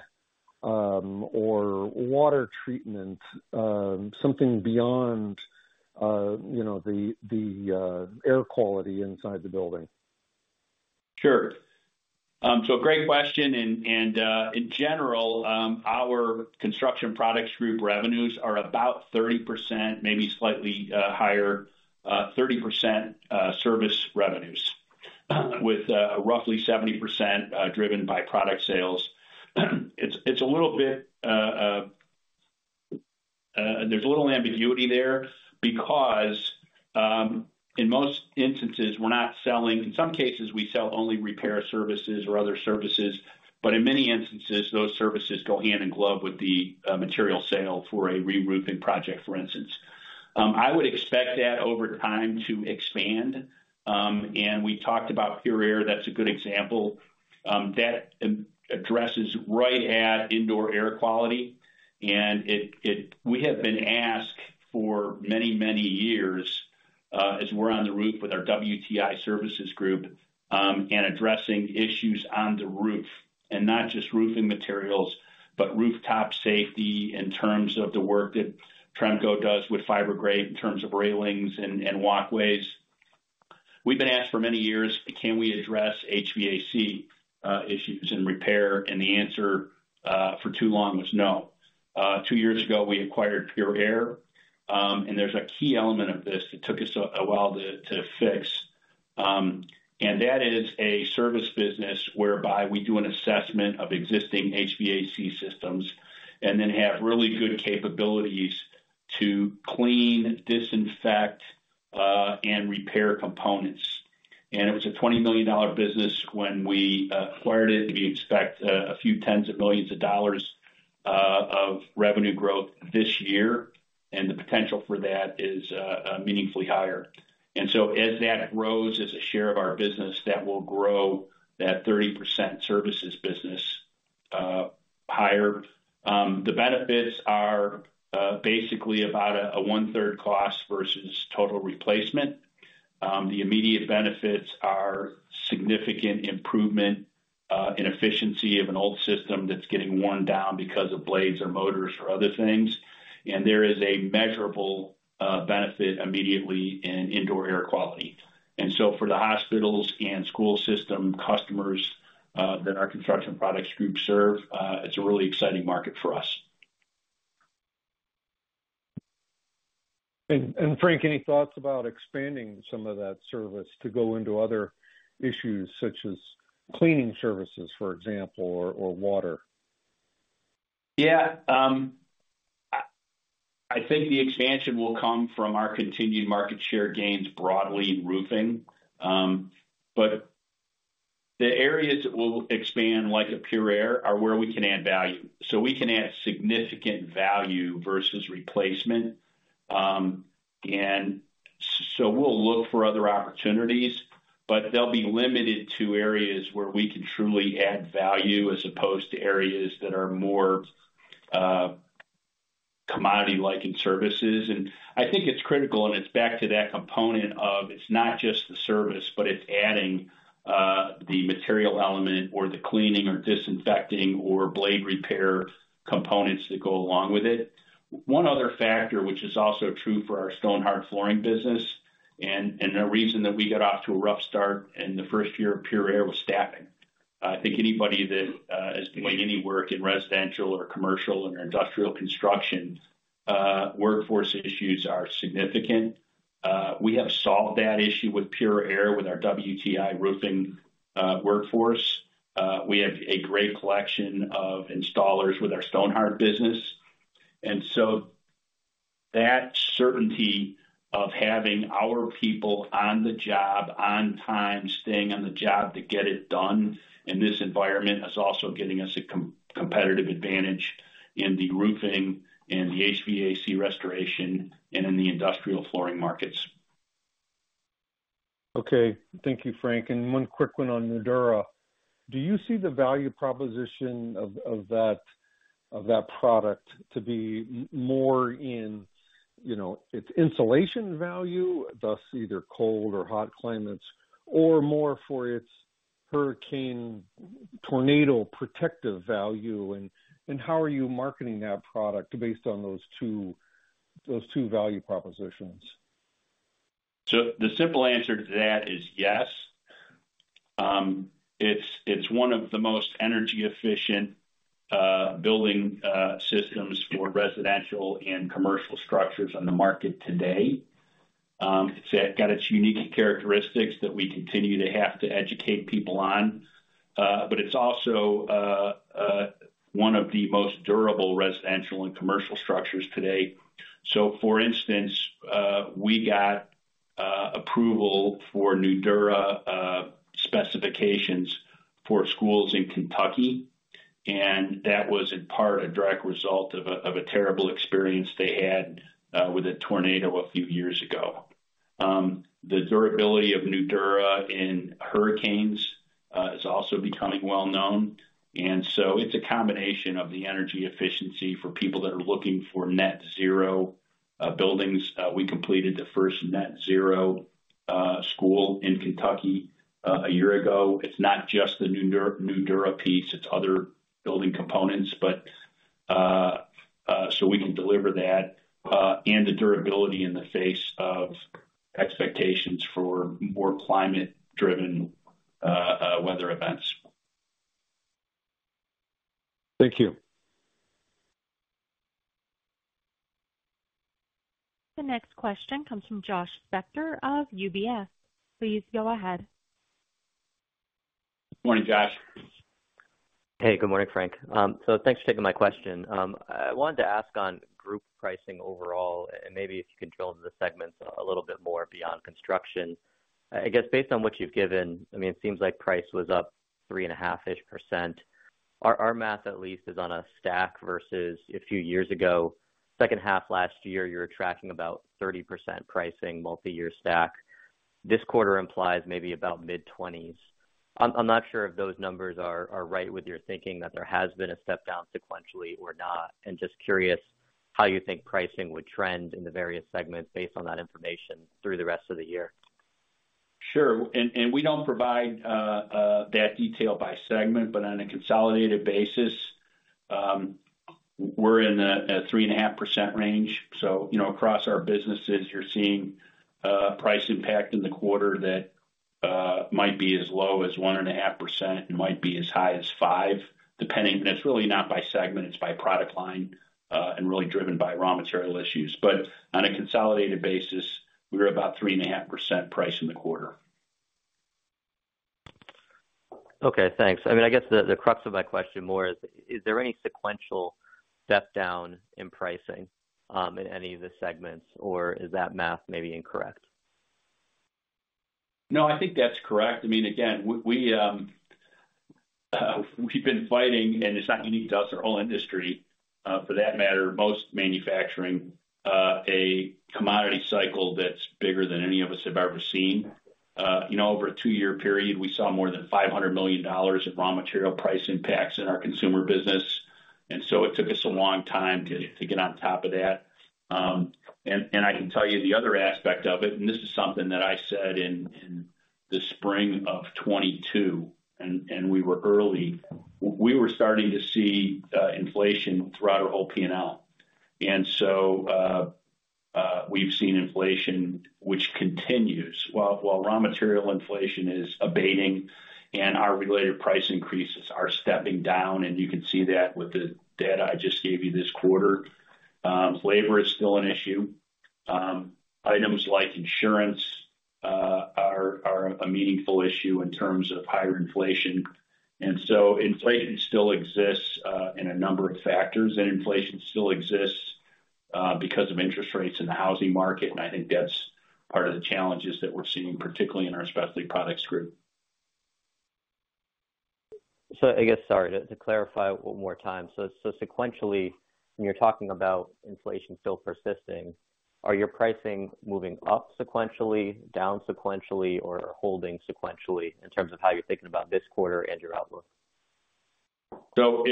or water treatment? Something beyond, you know, the air quality inside the building. Sure. So great question. In general, our Construction Products Group revenues are about 30%, maybe slightly higher, 30% service revenues, with roughly 70% driven by product sales. It's a little bit... There's a little ambiguity there because, in most instances, we're not selling, in some cases, we sell only repair services or other services, but in many instances, those services go hand in glove with the material sale for a reroofing project, for instance. I would expect that over time to expand. And we talked about Pure Air, that's a good example. That addresses right at indoor air quality, and we have been asked for many, many years, as we're on the roof with our WTI services group, and addressing issues on the roof, and not just roofing materials, but rooftop safety in terms of the work that Tremco does with Fibergrate, in terms of railings and walkways. We've been asked for many years, can we address HVAC issues and repair? And the answer, for too long, was no. Two years ago, we acquired Pure Air, and there's a key element of this that took us a while to fix. And that is a service business whereby we do an assessment of existing HVAC systems and then have really good capabilities to clean, disinfect, and repair components. It was a $20 million business when we acquired it. We expect a few tens of millions of dollars of revenue growth this year, and the potential for that is meaningfully higher. So as that grows as a share of our business, that will grow that 30% services business higher. The benefits are basically about a one-third cost versus total replacement. The immediate benefits are significant improvement in efficiency of an old system that's getting worn down because of blades or motors or other things. There is a measurable benefit immediately in indoor air quality. So for the hospitals and school system customers that our Construction Products Group serve, it's a really exciting market for us. And Frank, any thoughts about expanding some of that service to go into other issues, such as cleaning services, for example, or water? Yeah, I think the expansion will come from our continued market share gains, broadly in roofing. But the areas that we'll expand, like a Pure Air, are where we can add value. So we can add significant value versus replacement. And so we'll look for other opportunities, but they'll be limited to areas where we can truly add value, as opposed to areas that are more commodity-like in services. And I think it's critical, and it's back to that component of, it's not just the service, but it's adding the material element or the cleaning or disinfecting or blade repair components that go along with it. One other factor, which is also true for our Stonhard flooring business, and the reason that we got off to a rough start in the first year of Pure Air, was staffing. I think anybody that has done any work in residential or commercial and industrial construction, workforce issues are significant. We have solved that issue with Pure Air, with our WTI Roofing, workforce. We have a great collection of installers with our Stonhard business. And so that certainty of having our people on the job, on time, staying on the job to get it done in this environment, is also getting us a competitive advantage in the roofing, in the HVAC restoration, and in the industrial flooring markets. Okay. Thank you, Frank. And one quick one on Nudura. Do you see the value proposition of, of that, of that product to be more in, you know, its insulation value, thus either cold or hot climates, or more for its hurricane, tornado protective value? And, and how are you marketing that product based on those two, those two value propositions?... So the simple answer to that is yes. It's one of the most energy-efficient building systems for residential and commercial structures on the market today. It's got its unique characteristics that we continue to have to educate people on, but it's also one of the most durable residential and commercial structures today. So for instance, we got approval for Nudura specifications for schools in Kentucky, and that was in part a direct result of a terrible experience they had with a tornado a few years ago. The durability of Nudura in hurricanes is also becoming well known, and so it's a combination of the energy efficiency for people that are looking for Net Zero buildings. We completed the first net-zero school in Kentucky a year ago. It's not just the Nudura, Nudura piece, it's other building components. But, so we can deliver that, and the durability in the face of expectations for more climate-driven, weather events. Thank you. The next question comes from Josh Spector of UBS. Please go ahead. Morning, Josh. Hey, good morning, Frank. So thanks for taking my question. I wanted to ask on group pricing overall, and maybe if you can drill into the segments a little bit more beyond construction. I guess, based on what you've given, I mean, it seems like price was up 3.5%-ish. Our math, at least, is on a stack versus a few years ago. Second half last year, you were tracking about 30% pricing, multi-year stack. This quarter implies maybe about mid-20s. I'm not sure if those numbers are right with your thinking that there has been a step down sequentially or not, and just curious how you think pricing would trend in the various segments based on that information through the rest of the year? Sure. And, and we don't provide, that detail by segment, but on a consolidated basis, we're in a 3.5% range. So, you know, across our businesses, you're seeing, price impact in the quarter that, might be as low as 1.5% and might be as high as 5%, depending... And it's really not by segment, it's by product line, and really driven by raw material issues. But on a consolidated basis, we were about 3.5% price in the quarter. Okay, thanks. I mean, I guess the crux of my question more is: Is there any sequential step down in pricing in any of the segments, or is that math maybe incorrect? No, I think that's correct. I mean, again, we've been fighting, and it's not unique to us, our whole industry, for that matter, most manufacturing, a commodity cycle that's bigger than any of us have ever seen. You know, over a two-year period, we saw more than $500 million of raw material price impacts in our consumer business, and so it took us a long time to get on top of that. And I can tell you the other aspect of it, and this is something that I said in the spring of 2022, and we were early. We were starting to see inflation throughout our whole P&L. And so we've seen inflation, which continues. While raw material inflation is abating and our related price increases are stepping down, and you can see that with the data I just gave you this quarter, labor is still an issue. Items like insurance are a meaningful issue in terms of higher inflation. And so inflation still exists in a number of factors, and inflation still exists because of interest rates in the housing market. And I think that's part of the challenges that we're seeing, particularly in our Specialty Products Group. So I guess... Sorry, to clarify one more time. So sequentially, when you're talking about inflation still persisting, are your pricing moving up sequentially, down sequentially, or holding sequentially in terms of how you're thinking about this quarter and your outlook? So,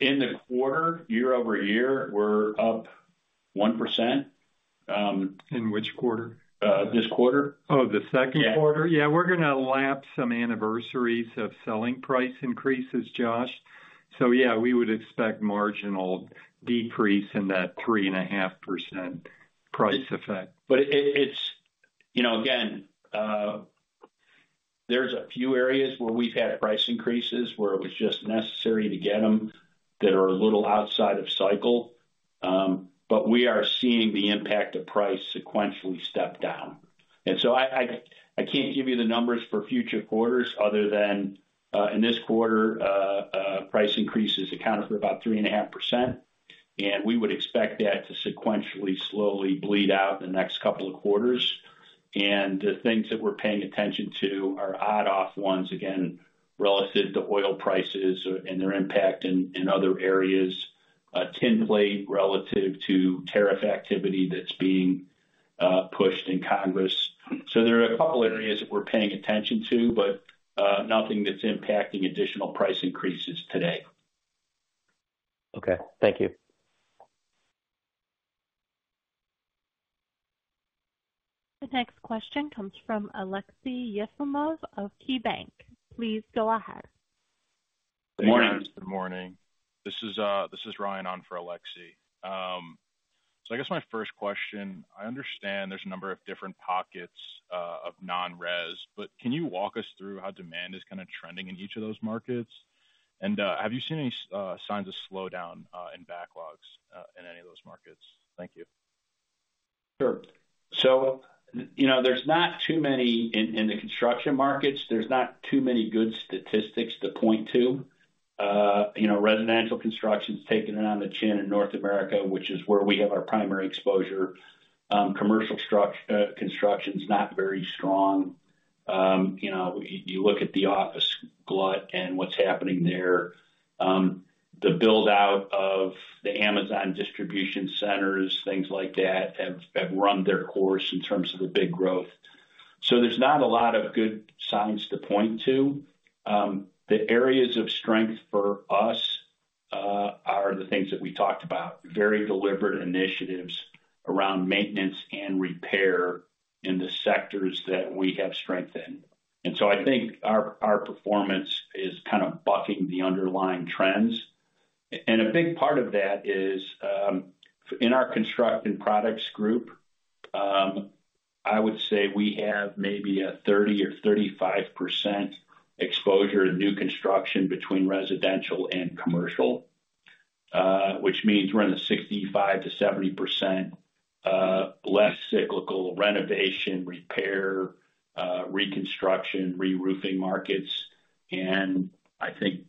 in the quarter, year-over-year, we're up 1%. In which quarter? This quarter. Oh, the second quarter? Yeah. Yeah, we're gonna lap some anniversaries of selling price increases, Josh. So yeah, we would expect marginal decrease in that 3.5% price effect. But it, it's, you know, again, there's a few areas where we've had price increases, where it was just necessary to get them, that are a little outside of cycle. But we are seeing the impact of price sequentially step down. And so I can't give you the numbers for future quarters other than, in this quarter, price increases accounted for about 3.5%, and we would expect that to sequentially, slowly bleed out in the next couple of quarters. And the things that we're paying attention to are odd off, once again, relative to oil prices and their impact in other areas, tin plate relative to tariff activity that's being pushed in Congress. So there are a couple of areas that we're paying attention to, but nothing that's impacting additional price increases today. Okay, thank you. The next question comes from Aleksey Yefremov of KeyBanc. Please go ahead.... Good morning. This is, this is Ryan, on for Alexei. So I guess my first question, I understand there's a number of different pockets, of non-res, but can you walk us through how demand is kind of trending in each of those markets? And, have you seen any, signs of slowdown, in backlogs, in any of those markets? Thank you. Sure. So, you know, in the construction markets, there's not too many good statistics to point to. You know, residential construction's taking it on the chin in North America, which is where we have our primary exposure. Commercial construction's not very strong. You know, you look at the office glut and what's happening there, the build-out of the Amazon distribution centers, things like that, have run their course in terms of the big growth. So there's not a lot of good signs to point to. The areas of strength for us are the things that we talked about, very deliberate initiatives around maintenance and repair in the sectors that we have strengthened. And so I think our performance is kind of bucking the underlying trends. A big part of that is, in our Construction Products Group, I would say we have maybe a 30 or 35% exposure to new construction between residential and commercial, which means we're in the 65%-70%, less cyclical renovation, repair, reconstruction, reroofing markets. I think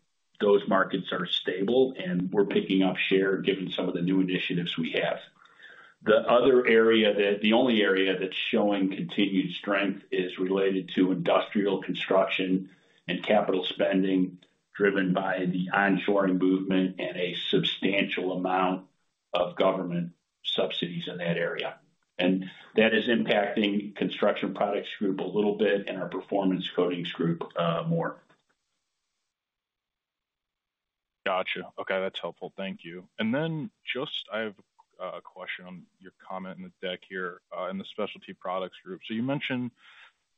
those markets are stable, and we're picking up share, given some of the new initiatives we have. The other area that... The only area that's showing continued strength is related to industrial construction and capital spending, driven by the onshoring movement and a substantial amount of government subsidies in that area. That is impacting Construction Products Group a little bit, and our Performance Coatings Group, more. Got you. Okay, that's helpful. Thank you. And then just I have a question on your comment in the deck here, in the Specialty Products Group. So you mentioned,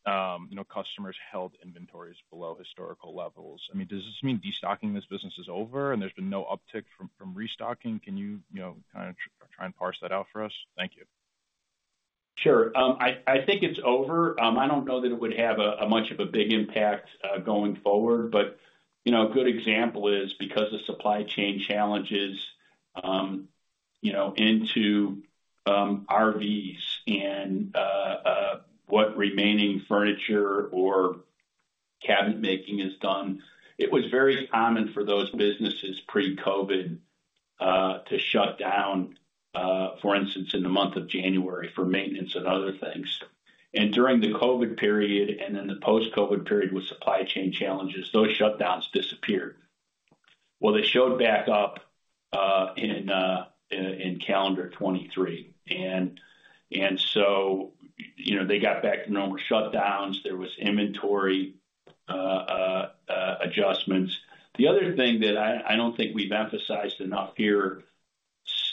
you know, customers held inventories below historical levels. I mean, does this mean destocking this business is over, and there's been no uptick from restocking? Can you, you know, kind of try and parse that out for us? Thank you. Sure. I think it's over. I don't know that it would have a much of a big impact going forward, but you know, a good example is because of supply chain challenges, you know, into RVs and what remaining furniture or cabinet making is done, it was very common for those businesses pre-COVID to shut down for instance, in the month of January for maintenance and other things. And during the COVID period and then the post-COVID period with supply chain challenges, those shutdowns disappeared. Well, they showed back up in calendar 2023. And so, you know, they got back to normal shutdowns. There was inventory adjustments. The other thing that I don't think we've emphasized enough here,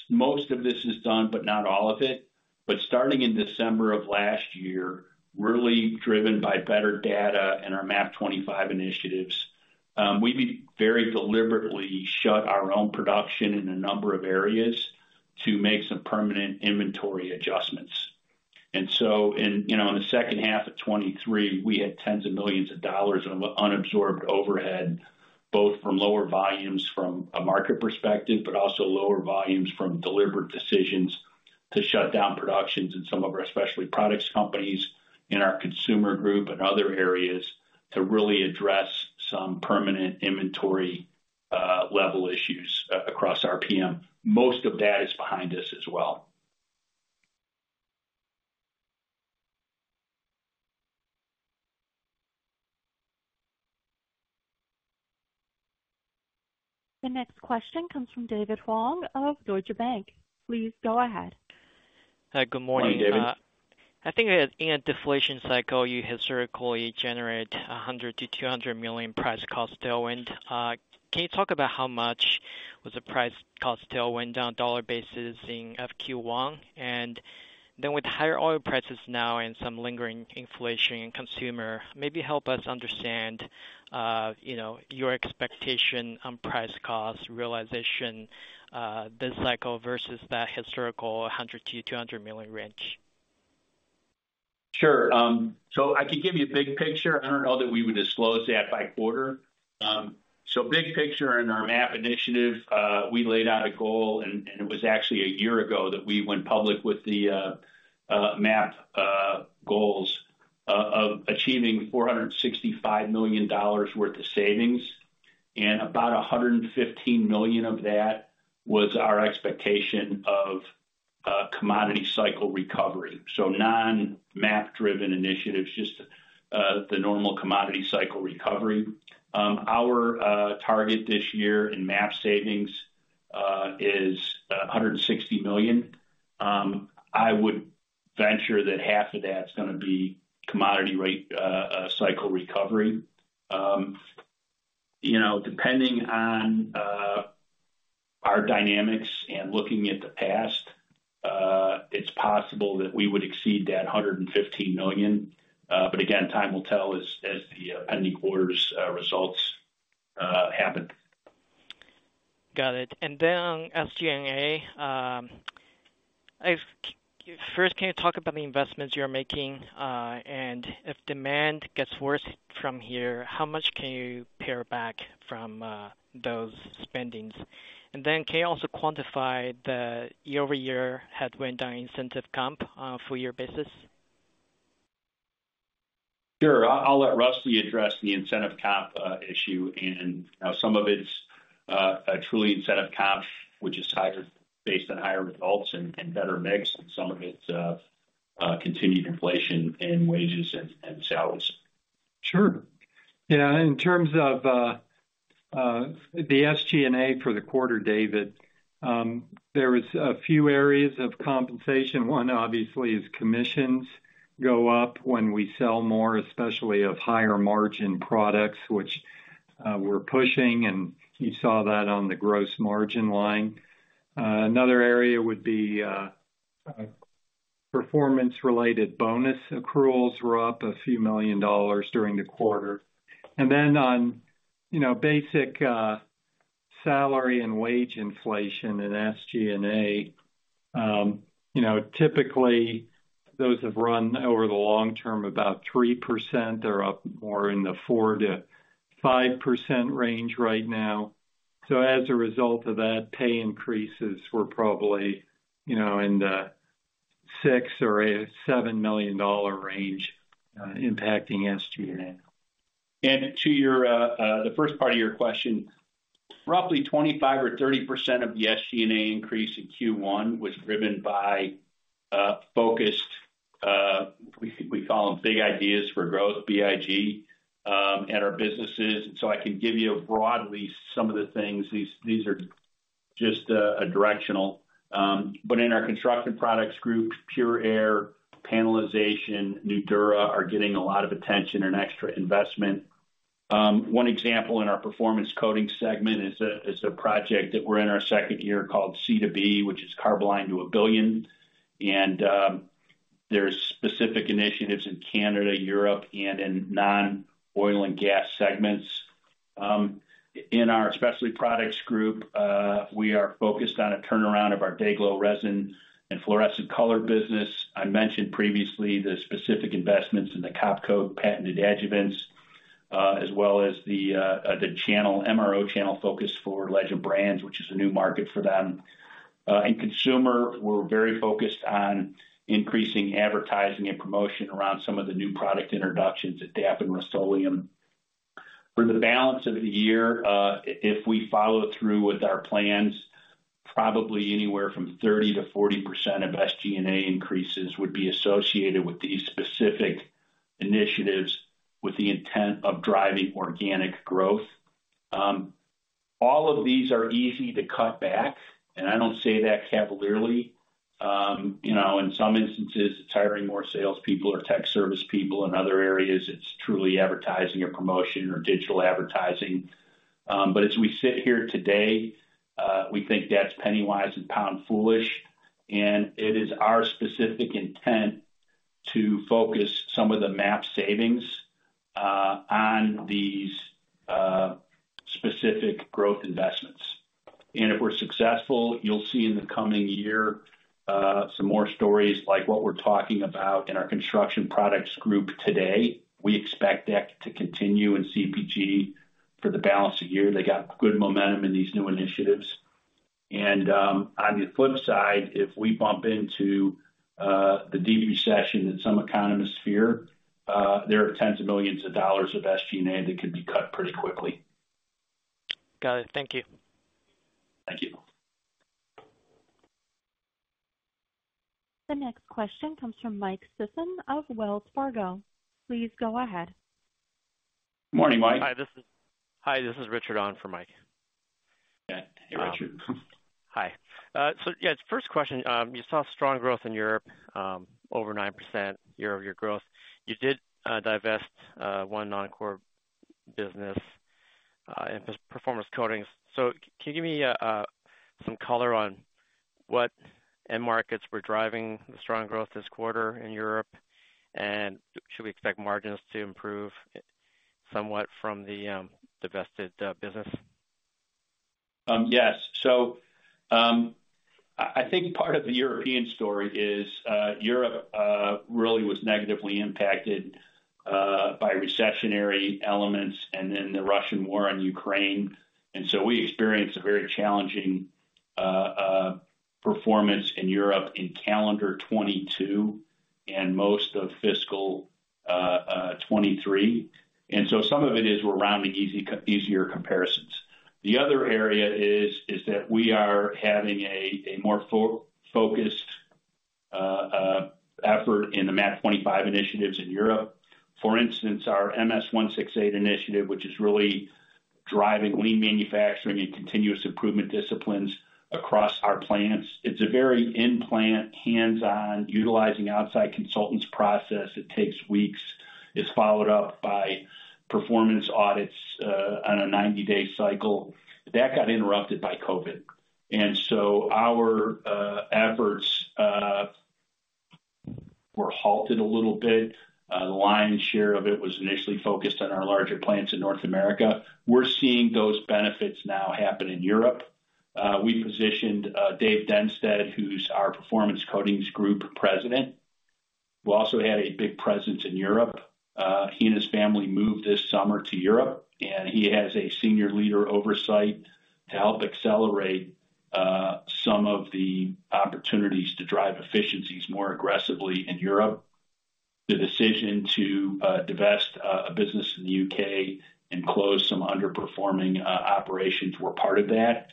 most of this is done, but not all of it, but starting in December of last year, really driven by better data and our MAP 2025 initiatives, we very deliberately shut our own production in a number of areas to make some permanent inventory adjustments. And so in, you know, in the second half of 2023, we had $tens of millions of unabsorbed overhead, both from lower volumes from a market perspective, but also lower volumes from deliberate decisions to shut down productions in some of our specialty products companies, in our consumer group and other areas, to really address some permanent inventory level issues across RPM. Most of that is behind us as well. The next question comes from David Huang of Deutsche Bank. Please go ahead. Hi, good morning. Good morning, David. I think in a deflation cycle, you historically generate $100 million-$200 million price cost tailwind. Can you talk about how much was the price cost tailwind on a dollar basis in FQ1? And then with higher oil prices now and some lingering inflation in consumer, maybe help us understand, you know, your expectation on price cost realization, this cycle versus that historical $100 million-$200 million range. Sure. So I can give you a big picture. I don't know that we would disclose that by quarter. So big picture in our MAP initiative, we laid out a goal, and it was actually a year ago that we went public with the MAP goals of achieving $465 million worth of savings, and about $115 million of that was our expectation of a commodity cycle recovery. So non-MAP driven initiatives, just the normal commodity cycle recovery. Our target this year in MAP savings is $160 million. I would venture that half of that's gonna be commodity cycle recovery. You know, depending on our dynamics and looking at the past, it's possible that we would exceed that $115 million. But again, time will tell as the pending quarters results happen. Got it. And then on SG&A, first, can you talk about the investments you're making? And if demand gets worse from here, how much can you pare back from those spendings? And then, can you also quantify the year-over-year headwind on incentive comp, full year basis? Sure. I'll let Rusty address the incentive comp issue, and some of it's a truly incentive comp, which is higher based on higher results and better mix, and some of it's continued inflation in wages and salaries. Sure. Yeah, in terms of the SG&A for the quarter, David, there is a few areas of compensation. One, obviously, is commissions go up when we sell more, especially of higher margin products, which we're pushing, and you saw that on the gross margin line. Another area would be performance-related bonus accruals were up $a few million during the quarter. And then on, you know, basic salary and wage inflation in SG&A, you know, typically, those have run over the long term, about 3%. They're up more in the 4%-5% range right now. So as a result of that, pay increases were probably, you know, in the $6 million or $7 million range, impacting SG&A. To your the first part of your question, roughly 25% or 30% of the SG&A increase in Q1 was driven by focused, we call them Big Ideas for Growth, BIG, at our businesses. So I can give you a broadly some of the things. These are just a directional. But in our Construction Products Group, Pure Air, Panelization, Nudura are getting a lot of attention and extra investment. One example in our Performance Coatings Group is a project that we're in our second year called C to B, which is Carboline to a billion. And there's specific initiatives in Canada, Europe, and in non-oil and gas segments. In our Specialty Products Group, we are focused on a turnaround of our Day-Glo resin and fluorescent color business. I mentioned previously the specific investments in the Kop-Coat patented adjuvants, as well as the MRO channel focus for Legend Brands, which is a new market for them. In consumer, we're very focused on increasing advertising and promotion around some of the new product introductions at DAP and Rust-Oleum. For the balance of the year, if we follow through with our plans, probably anywhere from 30%-40% of SG&A increases would be associated with these specific initiatives, with the intent of driving organic growth. All of these are easy to cut back, and I don't say that cavalierly. You know, in some instances, it's hiring more salespeople or tech service people. In other areas, it's truly advertising or promotion or digital advertising. But as we sit here today, we think that's penny wise and pound foolish, and it is our specific intent to focus some of the MAP savings on these specific growth investments. And if we're successful, you'll see in the coming year, some more stories like what we're talking about in our Construction Products Group today. We expect that to continue in CPG for the balance of the year. They got good momentum in these new initiatives. And on the flip side, if we bump into the deep recession that some economists fear, there are $ tens of millions of SG&A that could be cut pretty quickly. Got it. Thank you. Thank you. The next question comes from Mike Sisson of Wells Fargo. Please go ahead. Morning, Mike. Hi, this is Richard on for Mike. Yeah. Hey, Richard. Hi. So yeah, first question, you saw strong growth in Europe, over 9% year-over-year growth. You did divest one non-core business in Performance Coatings. So can you give me some color on what end markets were driving the strong growth this quarter in Europe? And should we expect margins to improve somewhat from the divested business? Yes. So, I think part of the European story is, Europe really was negatively impacted by recessionary elements and then the Russian war on Ukraine. And so we experienced a very challenging performance in Europe in calendar 2022 and most of fiscal 2023. And so some of it is we're rounding easier comparisons. The other area is that we are having a more focused effort in the MAP 2025 initiatives in Europe. For instance, our MS168 initiative, which is really driving lean manufacturing and continuous improvement disciplines across our plants. It's a very in-plant, hands-on, utilizing outside consultants process. It takes weeks, is followed up by performance audits on a 90-day cycle. That got interrupted by COVID. And so our efforts were halted a little bit. The lion's share of it was initially focused on our larger plants in North America. We're seeing those benefits now happen in Europe. We positioned Dave Dennsteadt, who's our Performance Coatings Group president, who also had a big presence in Europe. He and his family moved this summer to Europe, and he has a senior leader oversight to help accelerate some of the opportunities to drive efficiencies more aggressively in Europe. The decision to divest a business in the UK and close some underperforming operations were part of that.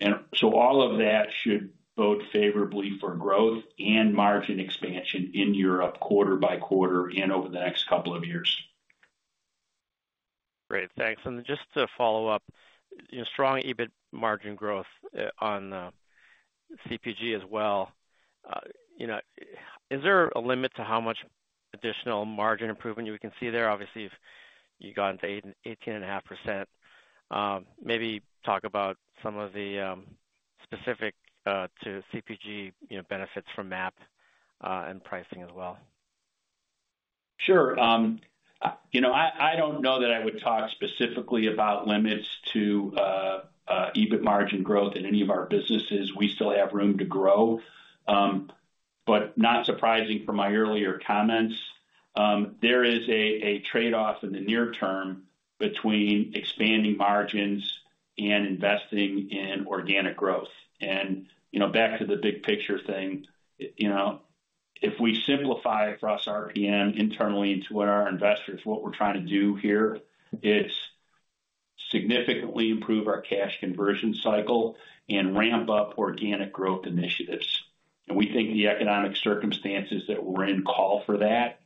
And so all of that should bode favorably for growth and margin expansion in Europe, quarter by quarter and over the next couple of years. Great, thanks. And just to follow up, you know, strong EBIT margin growth on CPG as well. You know, is there a limit to how much additional margin improvement we can see there? Obviously, if you've gotten to 18.5%, maybe talk about some of the specific to CPG, you know, benefits from MAP and pricing as well. Sure. You know, I, I don't know that I would talk specifically about limits to EBIT margin growth in any of our businesses. We still have room to grow, but not surprising from my earlier comments, there is a trade-off in the near term between expanding margins and investing in organic growth. And, you know, back to the big picture thing, you know, if we simplify across RPM internally into what our investors, what we're trying to do here, is significantly improve our cash conversion cycle and ramp up organic growth initiatives. And we think the economic circumstances that we're in call for that,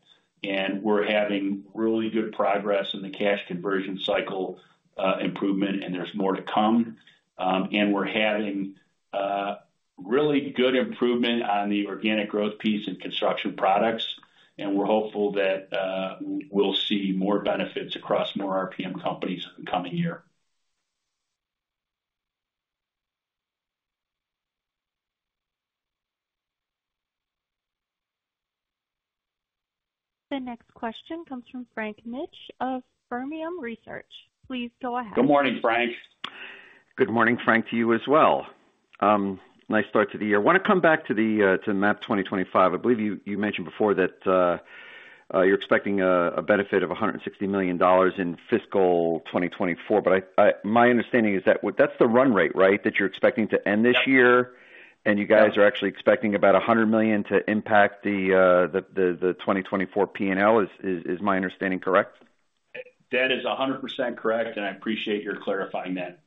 and we're having really good progress in the cash conversion cycle improvement, and there's more to come. We're having really good improvement on the organic growth piece in construction products, and we're hopeful that we'll see more benefits across more RPM companies in the coming year. The next question comes from Frank Mitsch of Fermium Research. Please go ahead. Good morning, Frank. Good morning, Frank, to you as well. Nice start to the year. I wanna come back to the MAP 2025. I believe you mentioned before that you're expecting a benefit of $160 million in fiscal 2024, but... My understanding is that, well, that's the run rate, right? That you're expecting to end this year, and you guys are actually expecting about $100 million to impact the 2024 P&L. Is my understanding correct? That is 100% correct, and I appreciate your clarifying that.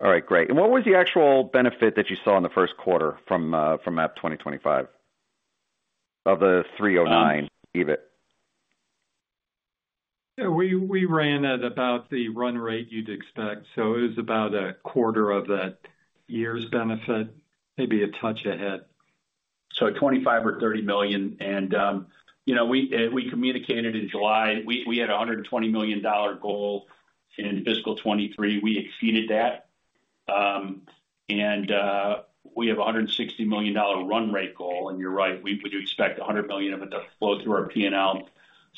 All right, great. What was the actual benefit that you saw in the first quarter from MAP 2025 of the $309 EBIT? Yeah, we ran at about the run rate you'd expect, so it was about a quarter of that year's benefit, maybe a touch ahead. So $25 million-$30 million, and, you know, we, we communicated in July, we, we had a $120 million goal in fiscal 2023. We exceeded that. We have a $160 million run rate goal, and you're right, we would expect $100 million of it to flow through our P&L.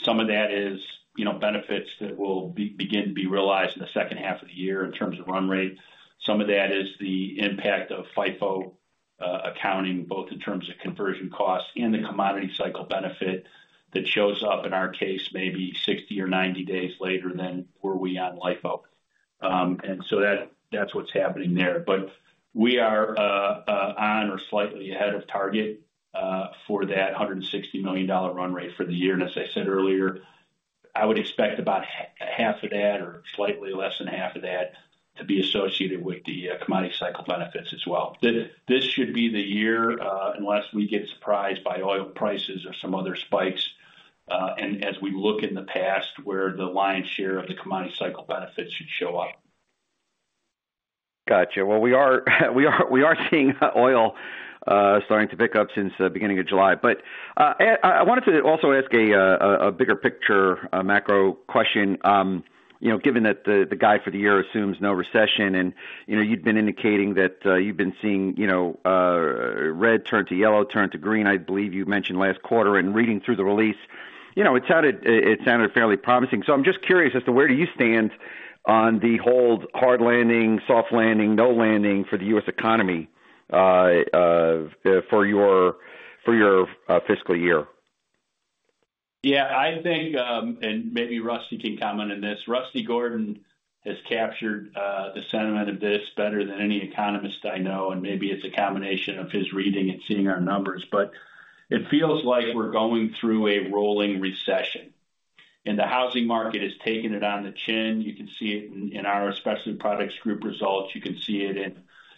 Some of that is, you know, benefits that will begin to be realized in the second half of the year in terms of run rate. Some of that is the impact of FIFO accounting, both in terms of conversion costs and the commodity cycle benefit that shows up, in our case, maybe 60 or 90 days later than were we on LIFO. And so that's what's happening there. But we are on or slightly ahead of target for that $160 million run rate for the year. And as I said earlier, I would expect about $80 million, or slightly less than $80 million, of that to be associated with the commodity cycle benefits as well. This should be the year, unless we get surprised by oil prices or some other spikes, and as we look in the past, where the lion's share of the commodity cycle benefits should show up. Gotcha. Well, we are seeing oil starting to pick up since the beginning of July. But I wanted to also ask a bigger picture macro question. You know, given that the guide for the year assumes no recession, and you know, you've been indicating that you've been seeing you know red turn to yellow, turn to green, I believe you mentioned last quarter. And reading through the release, you know, it sounded fairly promising. So I'm just curious as to where do you stand on the whole hard landing, soft landing, no landing for the U.S. economy for your fiscal year? Yeah, I think and maybe Rusty can comment on this. Rusty Gordon has captured the sentiment of this better than any economist I know, and maybe it's a combination of his reading and seeing our numbers. But it feels like we're going through a rolling recession, and the housing market has taken it on the chin. You can see it in our Specialty Products Group results. You can see it in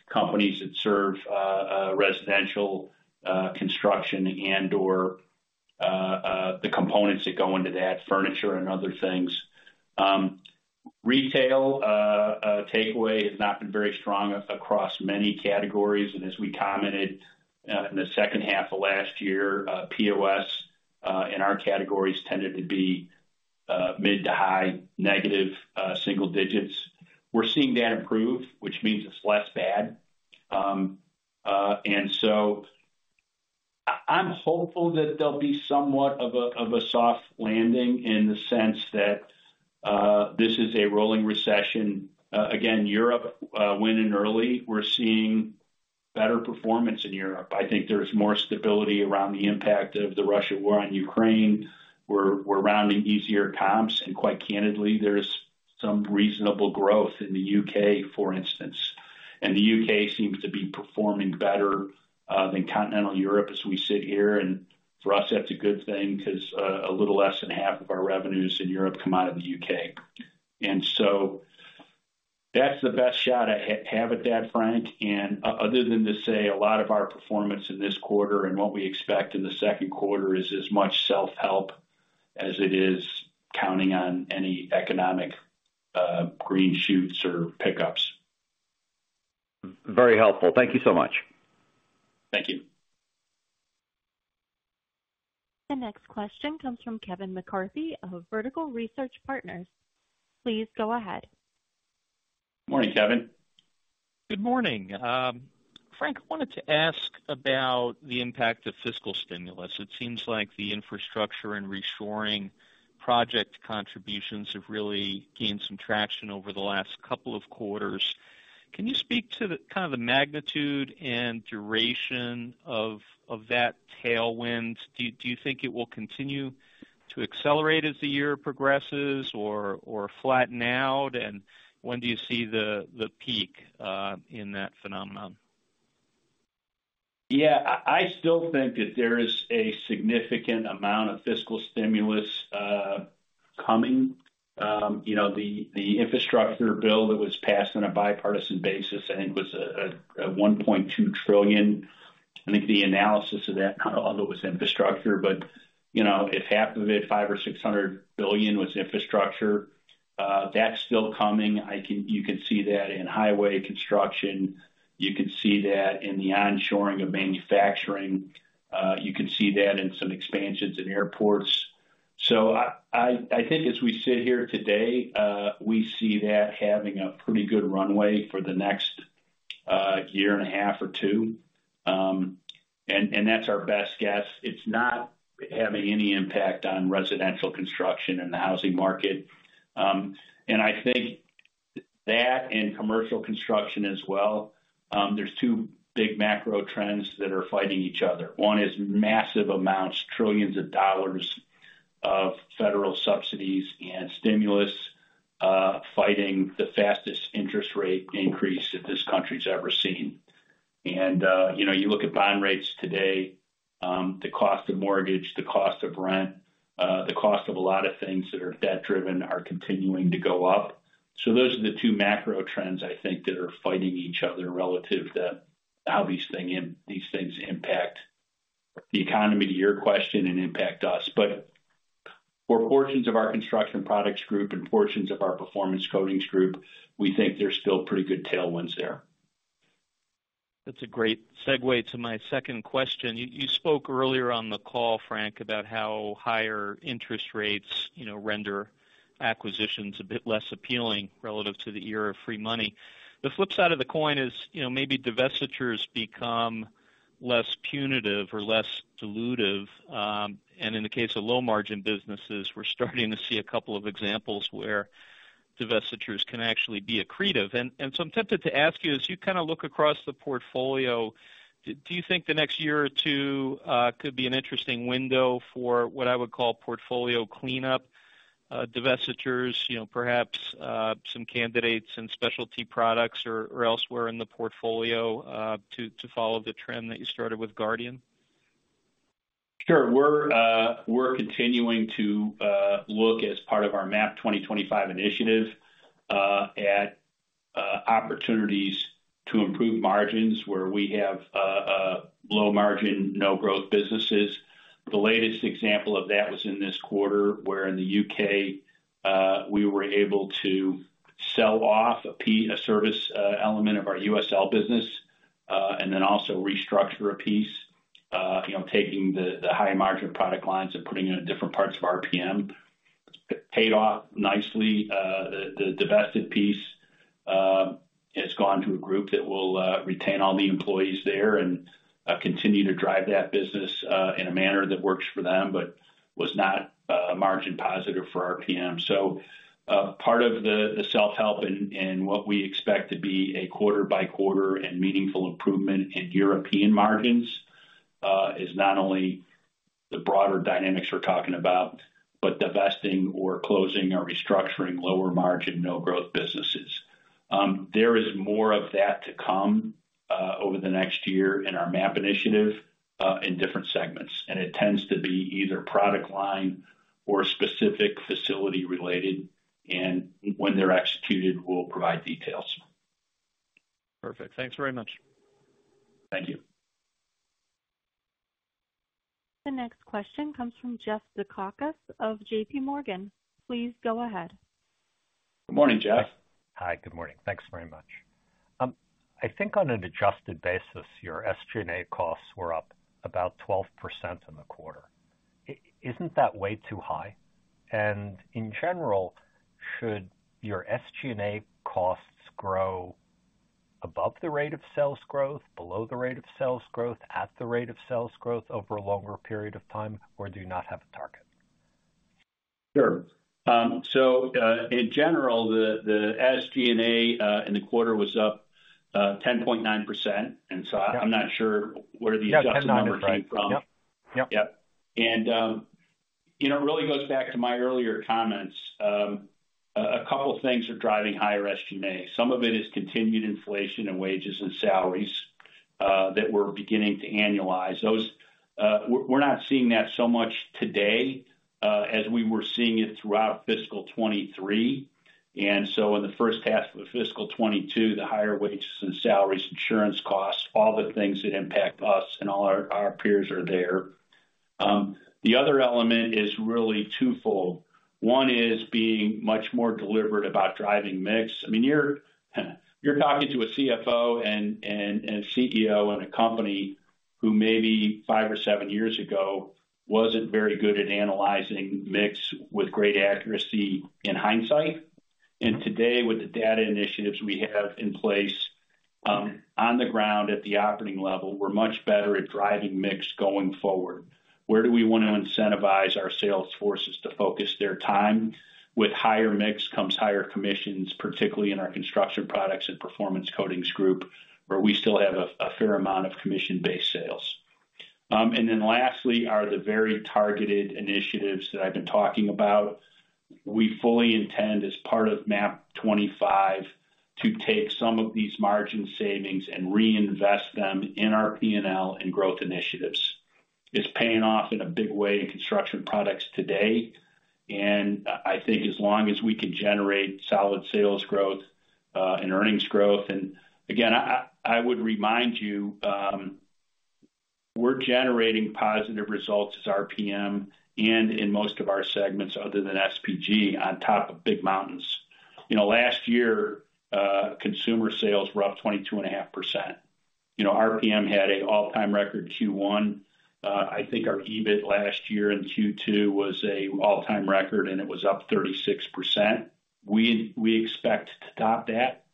companies that serve residential construction and/or the components that go into that, furniture and other things. Retail takeaway has not been very strong across many categories. And as we commented in the second half of last year, POS in our categories tended to be mid to high negative single digits. We're seeing that improve, which means it's less bad. And so I'm hopeful that there'll be somewhat of a soft landing in the sense that this is a rolling recession. Again, Europe went in early. We're seeing better performance in Europe. I think there's more stability around the impact of the Russia war on Ukraine. We're rounding easier comps, and quite candidly, there's some reasonable growth in the U.K., for instance. And the U.K. seems to be performing better than continental Europe as we sit here. And for us, that's a good thing 'cause a little less than half of our revenues in Europe come out of the U.K. And so that's the best shot I have at that, Frank, and other than to say a lot of our performance in this quarter and what we expect in the second quarter is as much self-help as it is counting on any economic green shoots or pickups. Very helpful. Thank you so much. Thank you. The next question comes from Kevin McCarthy of Vertical Research Partners. Please go ahead. Morning, Kevin. Good morning. Frank, I wanted to ask about the impact of fiscal stimulus. It seems like the infrastructure and reshoring project contributions have really gained some traction over the last couple of quarters. Can you speak to the kind of magnitude and duration of that tailwind? Do you think it will continue to accelerate as the year progresses or flatten out? And when do you see the peak in that phenomenon? Yeah, I still think that there is a significant amount of fiscal stimulus coming. You know, the infrastructure bill that was passed on a bipartisan basis, I think, was a $1.2 trillion. I think the analysis of that, not all of it was infrastructure, but you know, if half of it, $500 billion-$600 billion was infrastructure, that's still coming. You can see that in highway construction. You can see that in the onshoring of manufacturing. You can see that in some expansions in airports. So I think as we sit here today, we see that having a pretty good runway for the next year and a half or two. And that's our best guess. It's not having any impact on residential construction and the housing market. And I think that and commercial construction as well, there's two big macro trends that are fighting each other. One is massive amounts, trillions of dollars of federal subsidies and stimulus, fighting the fastest interest rate increase that this country's ever seen. And, you know, you look at bond rates today, the cost of mortgage, the cost of rent, the cost of a lot of things that are debt-driven are continuing to go up. So those are the two macro trends I think that are fighting each other relative to how these things impact the economy, to your question, and impact us. But for portions of our Construction Products Group and portions of our Performance Coatings Group, we think there's still pretty good tailwinds there. That's a great segue to my second question. You spoke earlier on the call, Frank, about how higher interest rates, you know, render acquisitions a bit less appealing relative to the era of free money. The flip side of the coin is, you know, maybe divestitures become less punitive or less dilutive. And in the case of low margin businesses, we're starting to see a couple of examples where divestitures can actually be accretive. And so I'm tempted to ask you, as you kind of look across the portfolio, do you think the next year or two could be an interesting window for what I would call portfolio cleanup, divestitures, you know, perhaps some candidates in specialty products or elsewhere in the portfolio, to follow the trend that you started with Guardian? Sure. We're continuing to look as part of our MAP 2025 initiative at opportunities to improve margins where we have a low margin, no growth businesses. The latest example of that was in this quarter, where in the U.K. we were able to sell off a service element of our USL business and then also restructure a piece, you know, taking the high margin product lines and putting it in different parts of RPM. It paid off nicely. The divested piece, it's gone to a group that will retain all the employees there and continue to drive that business in a manner that works for them, but was not margin positive for RPM. So, part of the self-help and what we expect to be a quarter by quarter and meaningful improvement in European margins is not only the broader dynamics we're talking about, but divesting or closing or restructuring lower margin, no growth businesses. There is more of that to come over the next year in our MAP initiative in different segments, and it tends to be either product line or specific facility related, and when they're executed, we'll provide details. Perfect. Thanks very much. Thank you. The next question comes from Jeff Zekauskas of JPMorgan. Please go ahead. Good morning, Jeff. Hi, good morning. Thanks very much. I think on an adjusted basis, your SG&A costs were up about 12% in the quarter. Isn't that way too high? And in general, should your SG&A costs grow above the rate of sales growth, below the rate of sales growth, at the rate of sales growth over a longer period of time, or do you not have a target? Sure. So, in general, the, the SG&A in the quarter was up 10.9%, and so I'm not sure where the adjusted numbers came from. Yep. Yep. And, you know, it really goes back to my earlier comments. A couple of things are driving higher SG&A. Some of it is continued inflation in wages and salaries that we're beginning to annualize. Those, we're not seeing that so much today as we were seeing it throughout fiscal 2023. And so in the first half of fiscal 2022, the higher wages and salaries, insurance costs, all the things that impact us and all our peers are there. The other element is really twofold. One is being much more deliberate about driving mix. I mean, you're talking to a CFO and CEO in a company who maybe five or seven years ago wasn't very good at analyzing mix with great accuracy in hindsight. Today, with the data initiatives we have in place, on the ground at the operating level, we're much better at driving mix going forward. Where do we want to incentivize our sales forces to focus their time? With higher mix comes higher commissions, particularly in our Construction Products and Performance Coatings Group, where we still have a fair amount of commission-based sales. And then lastly, are the very targeted initiatives that I've been talking about. We fully intend, as part of MAP 25, to take some of these margin savings and reinvest them in our P&L and growth initiatives. It's paying off in a big way in construction products today, and I think as long as we can generate solid sales growth and earnings growth... And again, I would remind you, we're generating positive results as RPM and in most of our segments other than SPG, on top of big mountains. You know, last year, consumer sales were up 22.5%. You know, RPM had an all-time record Q1. I think our EBIT last year in Q2 was an all-time record, and it was up 36%. We expect to top that.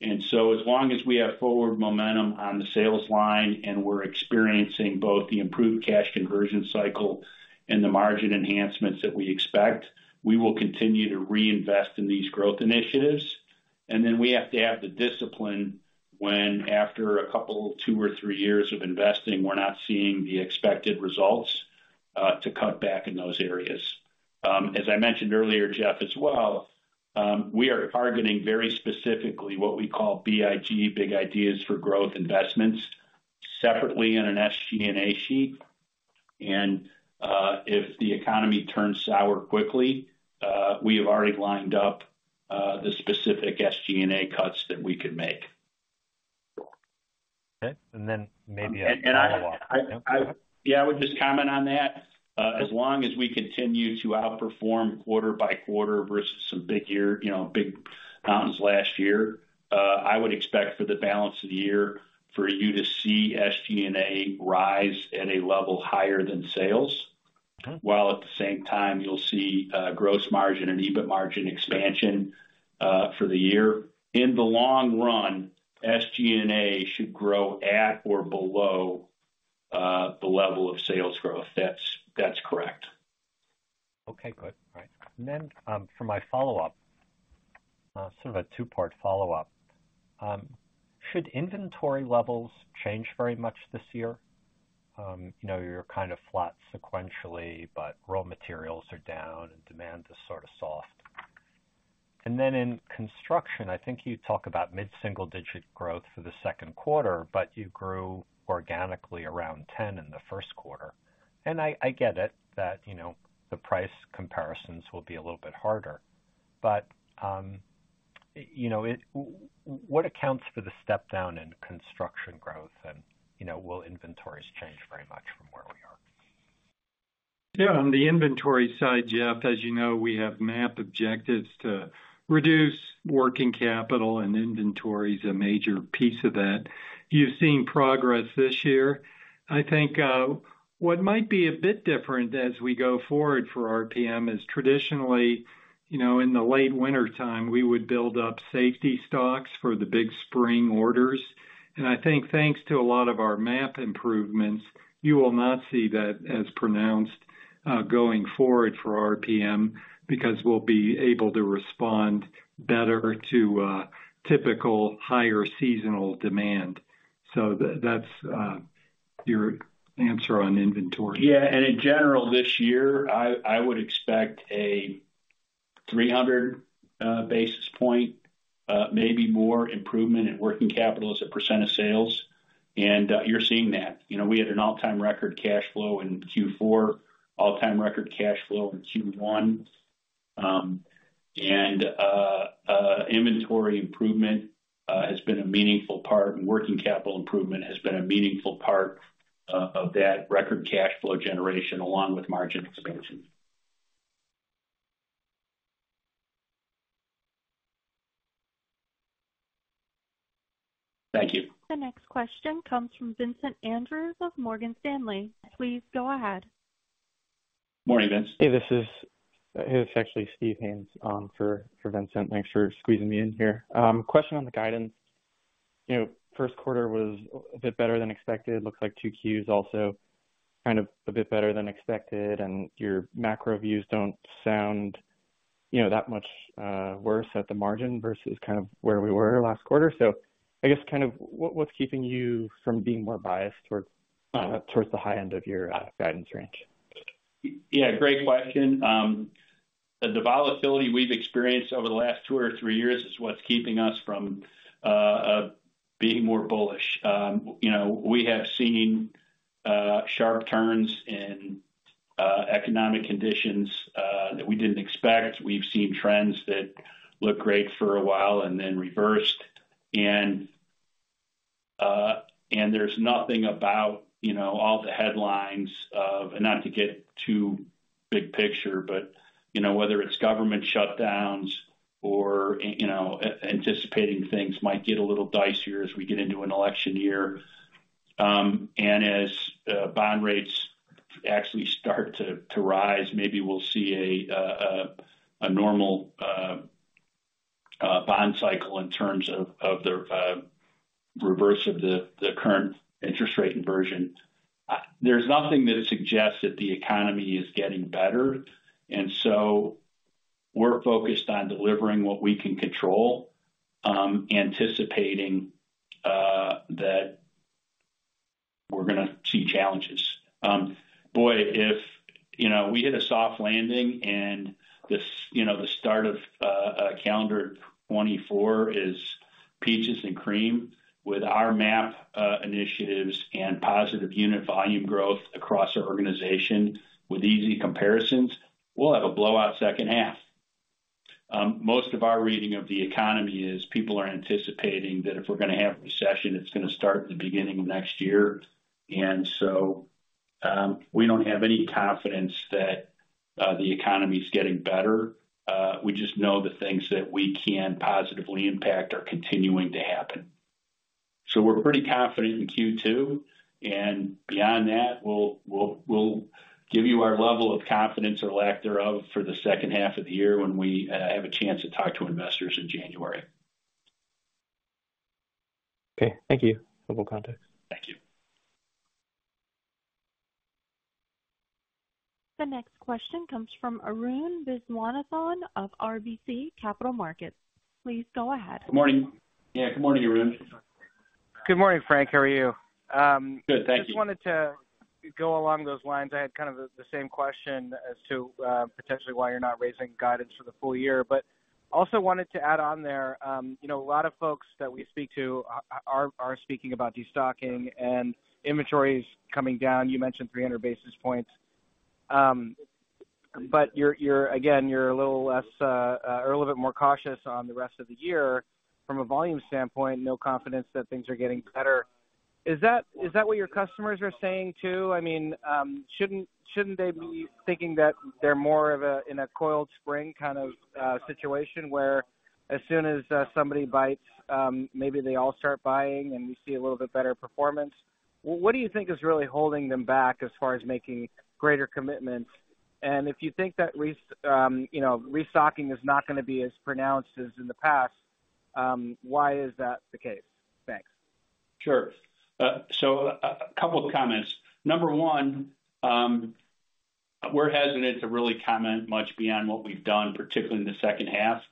And so as long as we have forward momentum on the sales line, and we're experiencing both the improved cash conversion cycle and the margin enhancements that we expect, we will continue to reinvest in these growth initiatives. And then we have to have the discipline when, after a couple, two or three years of investing, we're not seeing the expected results, to cut back in those areas. As I mentioned earlier, Jeff, as well, we are targeting very specifically what we call BIG, Big Ideas for Growth investments separately in an SG&A sheet. If the economy turns sour quickly, we have already lined up the specific SG&A cuts that we could make. Okay. And then maybe a follow-up. Yeah, I would just comment on that. As long as we continue to outperform quarter by quarter versus some big year, you know, big mountains last year, I would expect for the balance of the year for you to see SG&A rise at a level higher than sales. Okay. While at the same time, you'll see, gross margin and EBIT margin expansion, for the year. In the long run, SG&A should grow at or below, the level of sales growth. That's, that's correct. Okay, good. All right. And then, for my follow-up, sort of a two-part follow-up. Should inventory levels change very much this year? You know, you're kind of flat sequentially, but raw materials are down and demand is sort of soft. And then in construction, I think you talk about mid-single-digit growth for the second quarter, but you grew organically around 10 in the first quarter. And I, I get it, that, you know, the price comparisons will be a little bit harder. But, you know, it-- what accounts for the step down in construction growth? And, you know, will inventories change very much from where we are? Yeah, on the inventory side, Jeff, as you know, we have MAP objectives to reduce working capital, and inventory is a major piece of that. You've seen progress this year. I think, what might be a bit different as we go forward for RPM is traditionally, you know, in the late wintertime, we would build up safety stocks for the big spring orders. And I think thanks to a lot of our MAP improvements, you will not see that as pronounced, going forward for RPM because we'll be able to respond better to, typical higher seasonal demand. So that's, your answer on inventory. Yeah, and in general, this year, I would expect a 300 basis point, maybe more, improvement in working capital as a percent of sales, and you're seeing that. You know, we had an all-time record cash flow in Q4, all-time record cash flow in Q1. And inventory improvement has been a meaningful part, and working capital improvement has been a meaningful part of that record cash flow generation, along with margin expansion. Thank you. The next question comes from Vincent Andrews of Morgan Stanley. Please go ahead. Morning, Vince. Hey, it's actually Steve Haynes for Vincent. Thanks for squeezing me in here. Question on the guidance. You know, first quarter was a bit better than expected. Looks like two Qs also kind of a bit better than expected, and your macro views don't sound, you know, that much worse at the margin versus kind of where we were last quarter. So I guess kind of what's keeping you from being more biased towards the high end of your guidance range? Yeah, great question. The volatility we've experienced over the last two or three years is what's keeping us from being more bullish. You know, we have seen sharp turns in economic conditions that we didn't expect. We've seen trends that look great for a while and then reversed. And there's nothing about, you know, all the headlines of... And not to get too big picture, but, you know, whether it's government shutdowns or, you know, anticipating things might get a little dicier as we get into an election year. And as bond rates actually start to rise, maybe we'll see a normal bond cycle in terms of the reverse of the current interest rate inversion. There's nothing that suggests that the economy is getting better, and so we're focused on delivering what we can control, anticipating that we're gonna see challenges. Boy, if, you know, we hit a soft landing and the start of a calendar 2024 is peaches and cream with our MAP initiatives and positive unit volume growth across our organization with easy comparisons, we'll have a blowout second half. Most of our reading of the economy is, people are anticipating that if we're gonna have a recession, it's gonna start at the beginning of next year. And so, we don't have any confidence that the economy is getting better. We just know the things that we can positively impact are continuing to happen. So we're pretty confident in Q2, and beyond that, we'll give you our level of confidence or lack thereof for the second half of the year when we have a chance to talk to investors in January. Okay. Thank you. Helpful context. Thank you. The next question comes from Arun Viswanathan of RBC Capital Markets. Please go ahead. Good morning. Yeah, good morning, Arun. Good morning, Frank. How are you? Good, thank you. Just wanted to go along those lines. I had kind of the same question as to potentially why you're not raising guidance for the full year, but also wanted to add on there. You know, a lot of folks that we speak to are speaking about destocking and inventories coming down. You mentioned 300 basis points. But you're again a little less or a little bit more cautious on the rest of the year from a volume standpoint, no confidence that things are getting better. Is that what your customers are saying, too? I mean, shouldn't they be thinking that they're more of a in a coiled spring kind of situation, where as soon as somebody bites, maybe they all start buying, and we see a little bit better performance? What do you think is really holding them back as far as making greater commitments? And if you think that restocking is not gonna be as pronounced as in the past, you know, why is that the case? Thanks. Sure. So a couple of comments. Number one, we're hesitant to really comment much beyond what we've done, particularly in the second half.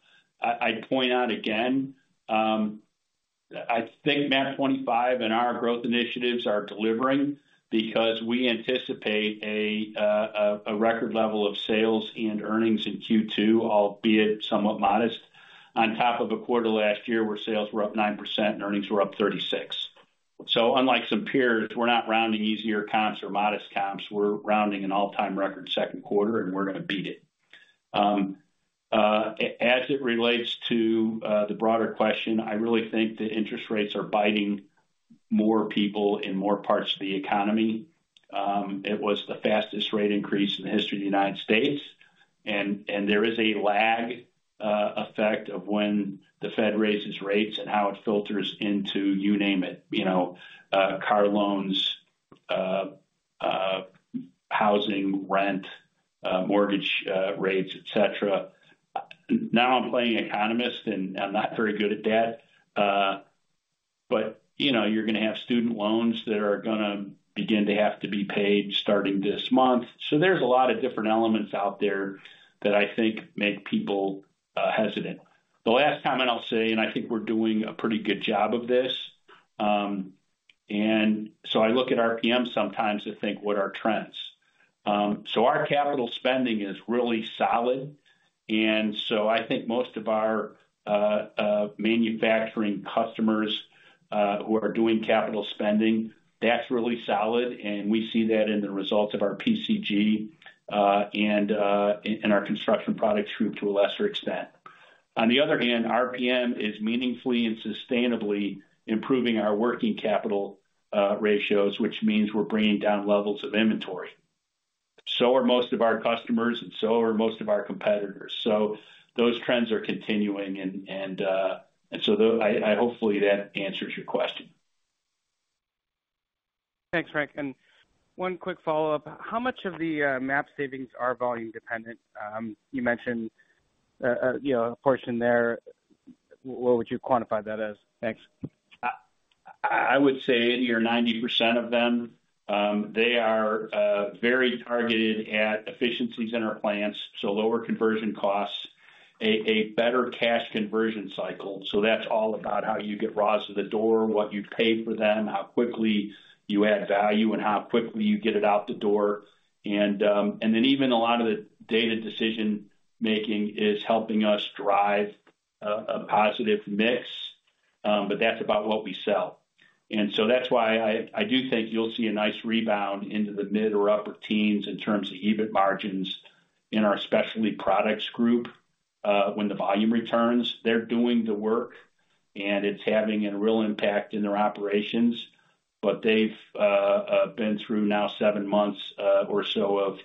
I'd point out again, I think MAP 25 and our growth initiatives are delivering because we anticipate a record level of sales and earnings in Q2, albeit somewhat modest, on top of a quarter last year, where sales were up 9% and earnings were up 36%. So unlike some peers, we're not rounding easier comps or modest comps. We're rounding an all-time record second quarter, and we're gonna beat it. As it relates to the broader question, I really think the interest rates are biting more people in more parts of the economy. It was the fastest rate increase in the history of the United States, and there is a lag effect of when the Fed raises rates and how it filters into, you name it, you know, car loans, housing, rent, mortgage rates, et cetera. Now I'm playing economist, and I'm not very good at that. But, you know, you're gonna have student loans that are gonna begin to have to be paid starting this month. So there's a lot of different elements out there that I think make people hesitant. The last comment I'll say, and I think we're doing a pretty good job of this, and so I look at RPM sometimes to think, what are trends? So our capital spending is really solid, and so I think most of our manufacturing customers-... Who are doing capital spending, that's really solid, and we see that in the results of our PCG, and in our Construction Products Group to a lesser extent. On the other hand, RPM is meaningfully and sustainably improving our working capital ratios, which means we're bringing down levels of inventory. So are most of our customers, and so are most of our competitors. So those trends are continuing, and so I hopefully that answers your question. Thanks, Frank. One quick follow-up: How much of the MAP savings are volume dependent? You mentioned, you know, a portion there. What would you quantify that as? Thanks. I would say 80% or 90% of them; they are very targeted at efficiencies in our plants, so lower conversion costs, a better cash conversion cycle. So that's all about how you get raws to the door, what you pay for them, how quickly you add value, and how quickly you get it out the door. And then even a lot of the data-driven decision-making is helping us drive a positive mix, but that's about what we sell. And so that's why I do think you'll see a nice rebound into the mid- or upper-teens in terms of EBIT margins in our Specialty Products Group, when the volume returns. They're doing the work, and it's having a real impact in their operations, but they've been through now seven months or so of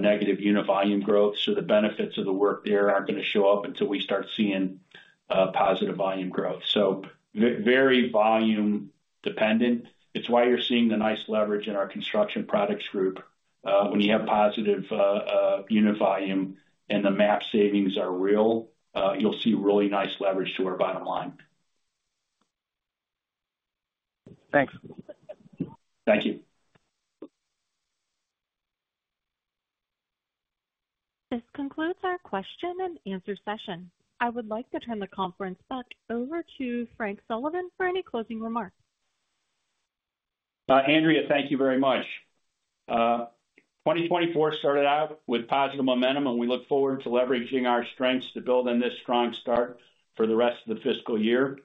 negative unit volume growth, so the benefits of the work there aren't gonna show up until we start seeing positive volume growth. So very volume dependent. It's why you're seeing the nice leverage in our construction products group. When you have positive unit volume and the MAP savings are real, you'll see really nice leverage to our bottom line. Thanks. Thank you. This concludes our question and answer session. I would like to turn the conference back over to Frank Sullivan for any closing remarks. Andrea, thank you very much. 2024 started out with positive momentum, and we look forward to leveraging our strengths to build on this strong start for the rest of the fiscal year.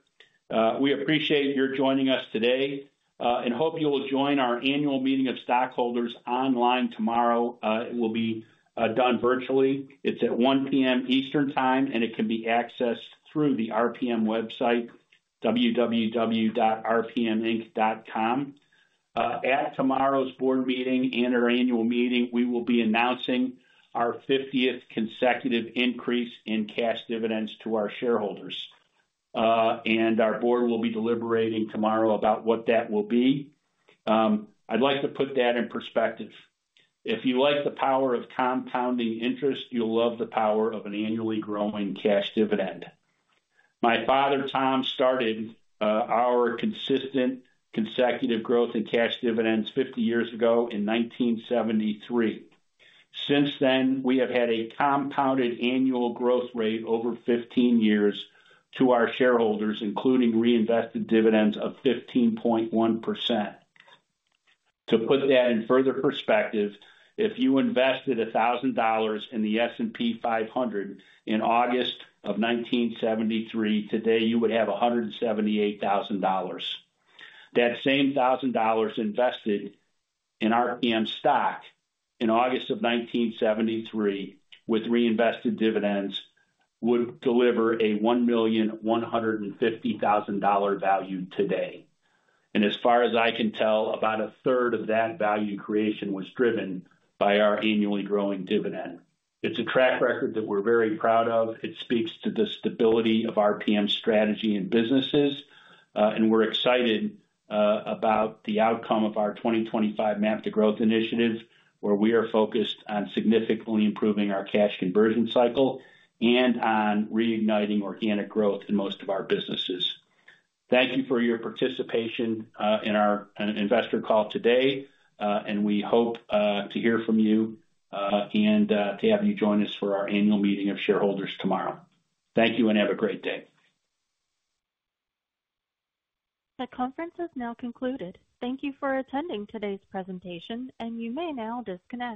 We appreciate your joining us today, and hope you will join our annual meeting of stockholders online tomorrow. It will be done virtually. It's at 1:00 P.M. Eastern Time, and it can be accessed through the RPM website, www.rpminc.com. At tomorrow's board meeting and our annual meeting, we will be announcing our fiftieth consecutive increase in cash dividends to our shareholders, and our board will be deliberating tomorrow about what that will be. I'd like to put that in perspective. If you like the power of compounding interest, you'll love the power of an annually growing cash dividend. My father, Tom, started our consistent consecutive growth in cash dividends 50 years ago in 1973. Since then, we have had a compounded annual growth rate over 15 years to our shareholders, including reinvested dividends of 15.1%. To put that in further perspective, if you invested $1,000 in the S&P 500 in August 1973, today, you would have $178,000. That same $1,000 invested in RPM stock in August 1973, with reinvested dividends, would deliver a $1,150,000 value today. As far as I can tell, about a third of that value creation was driven by our annually growing dividend. It's a track record that we're very proud of. It speaks to the stability of RPM's strategy and businesses, and we're excited about the outcome of our 2025 MAP to Growth initiative, where we are focused on significantly improving our cash conversion cycle and on reigniting organic growth in most of our businesses. Thank you for your participation in our investor call today, and we hope to hear from you and to have you join us for our annual meeting of shareholders tomorrow. Thank you, and have a great day. The conference has now concluded. Thank you for attending today's presentation, and you may now disconnect.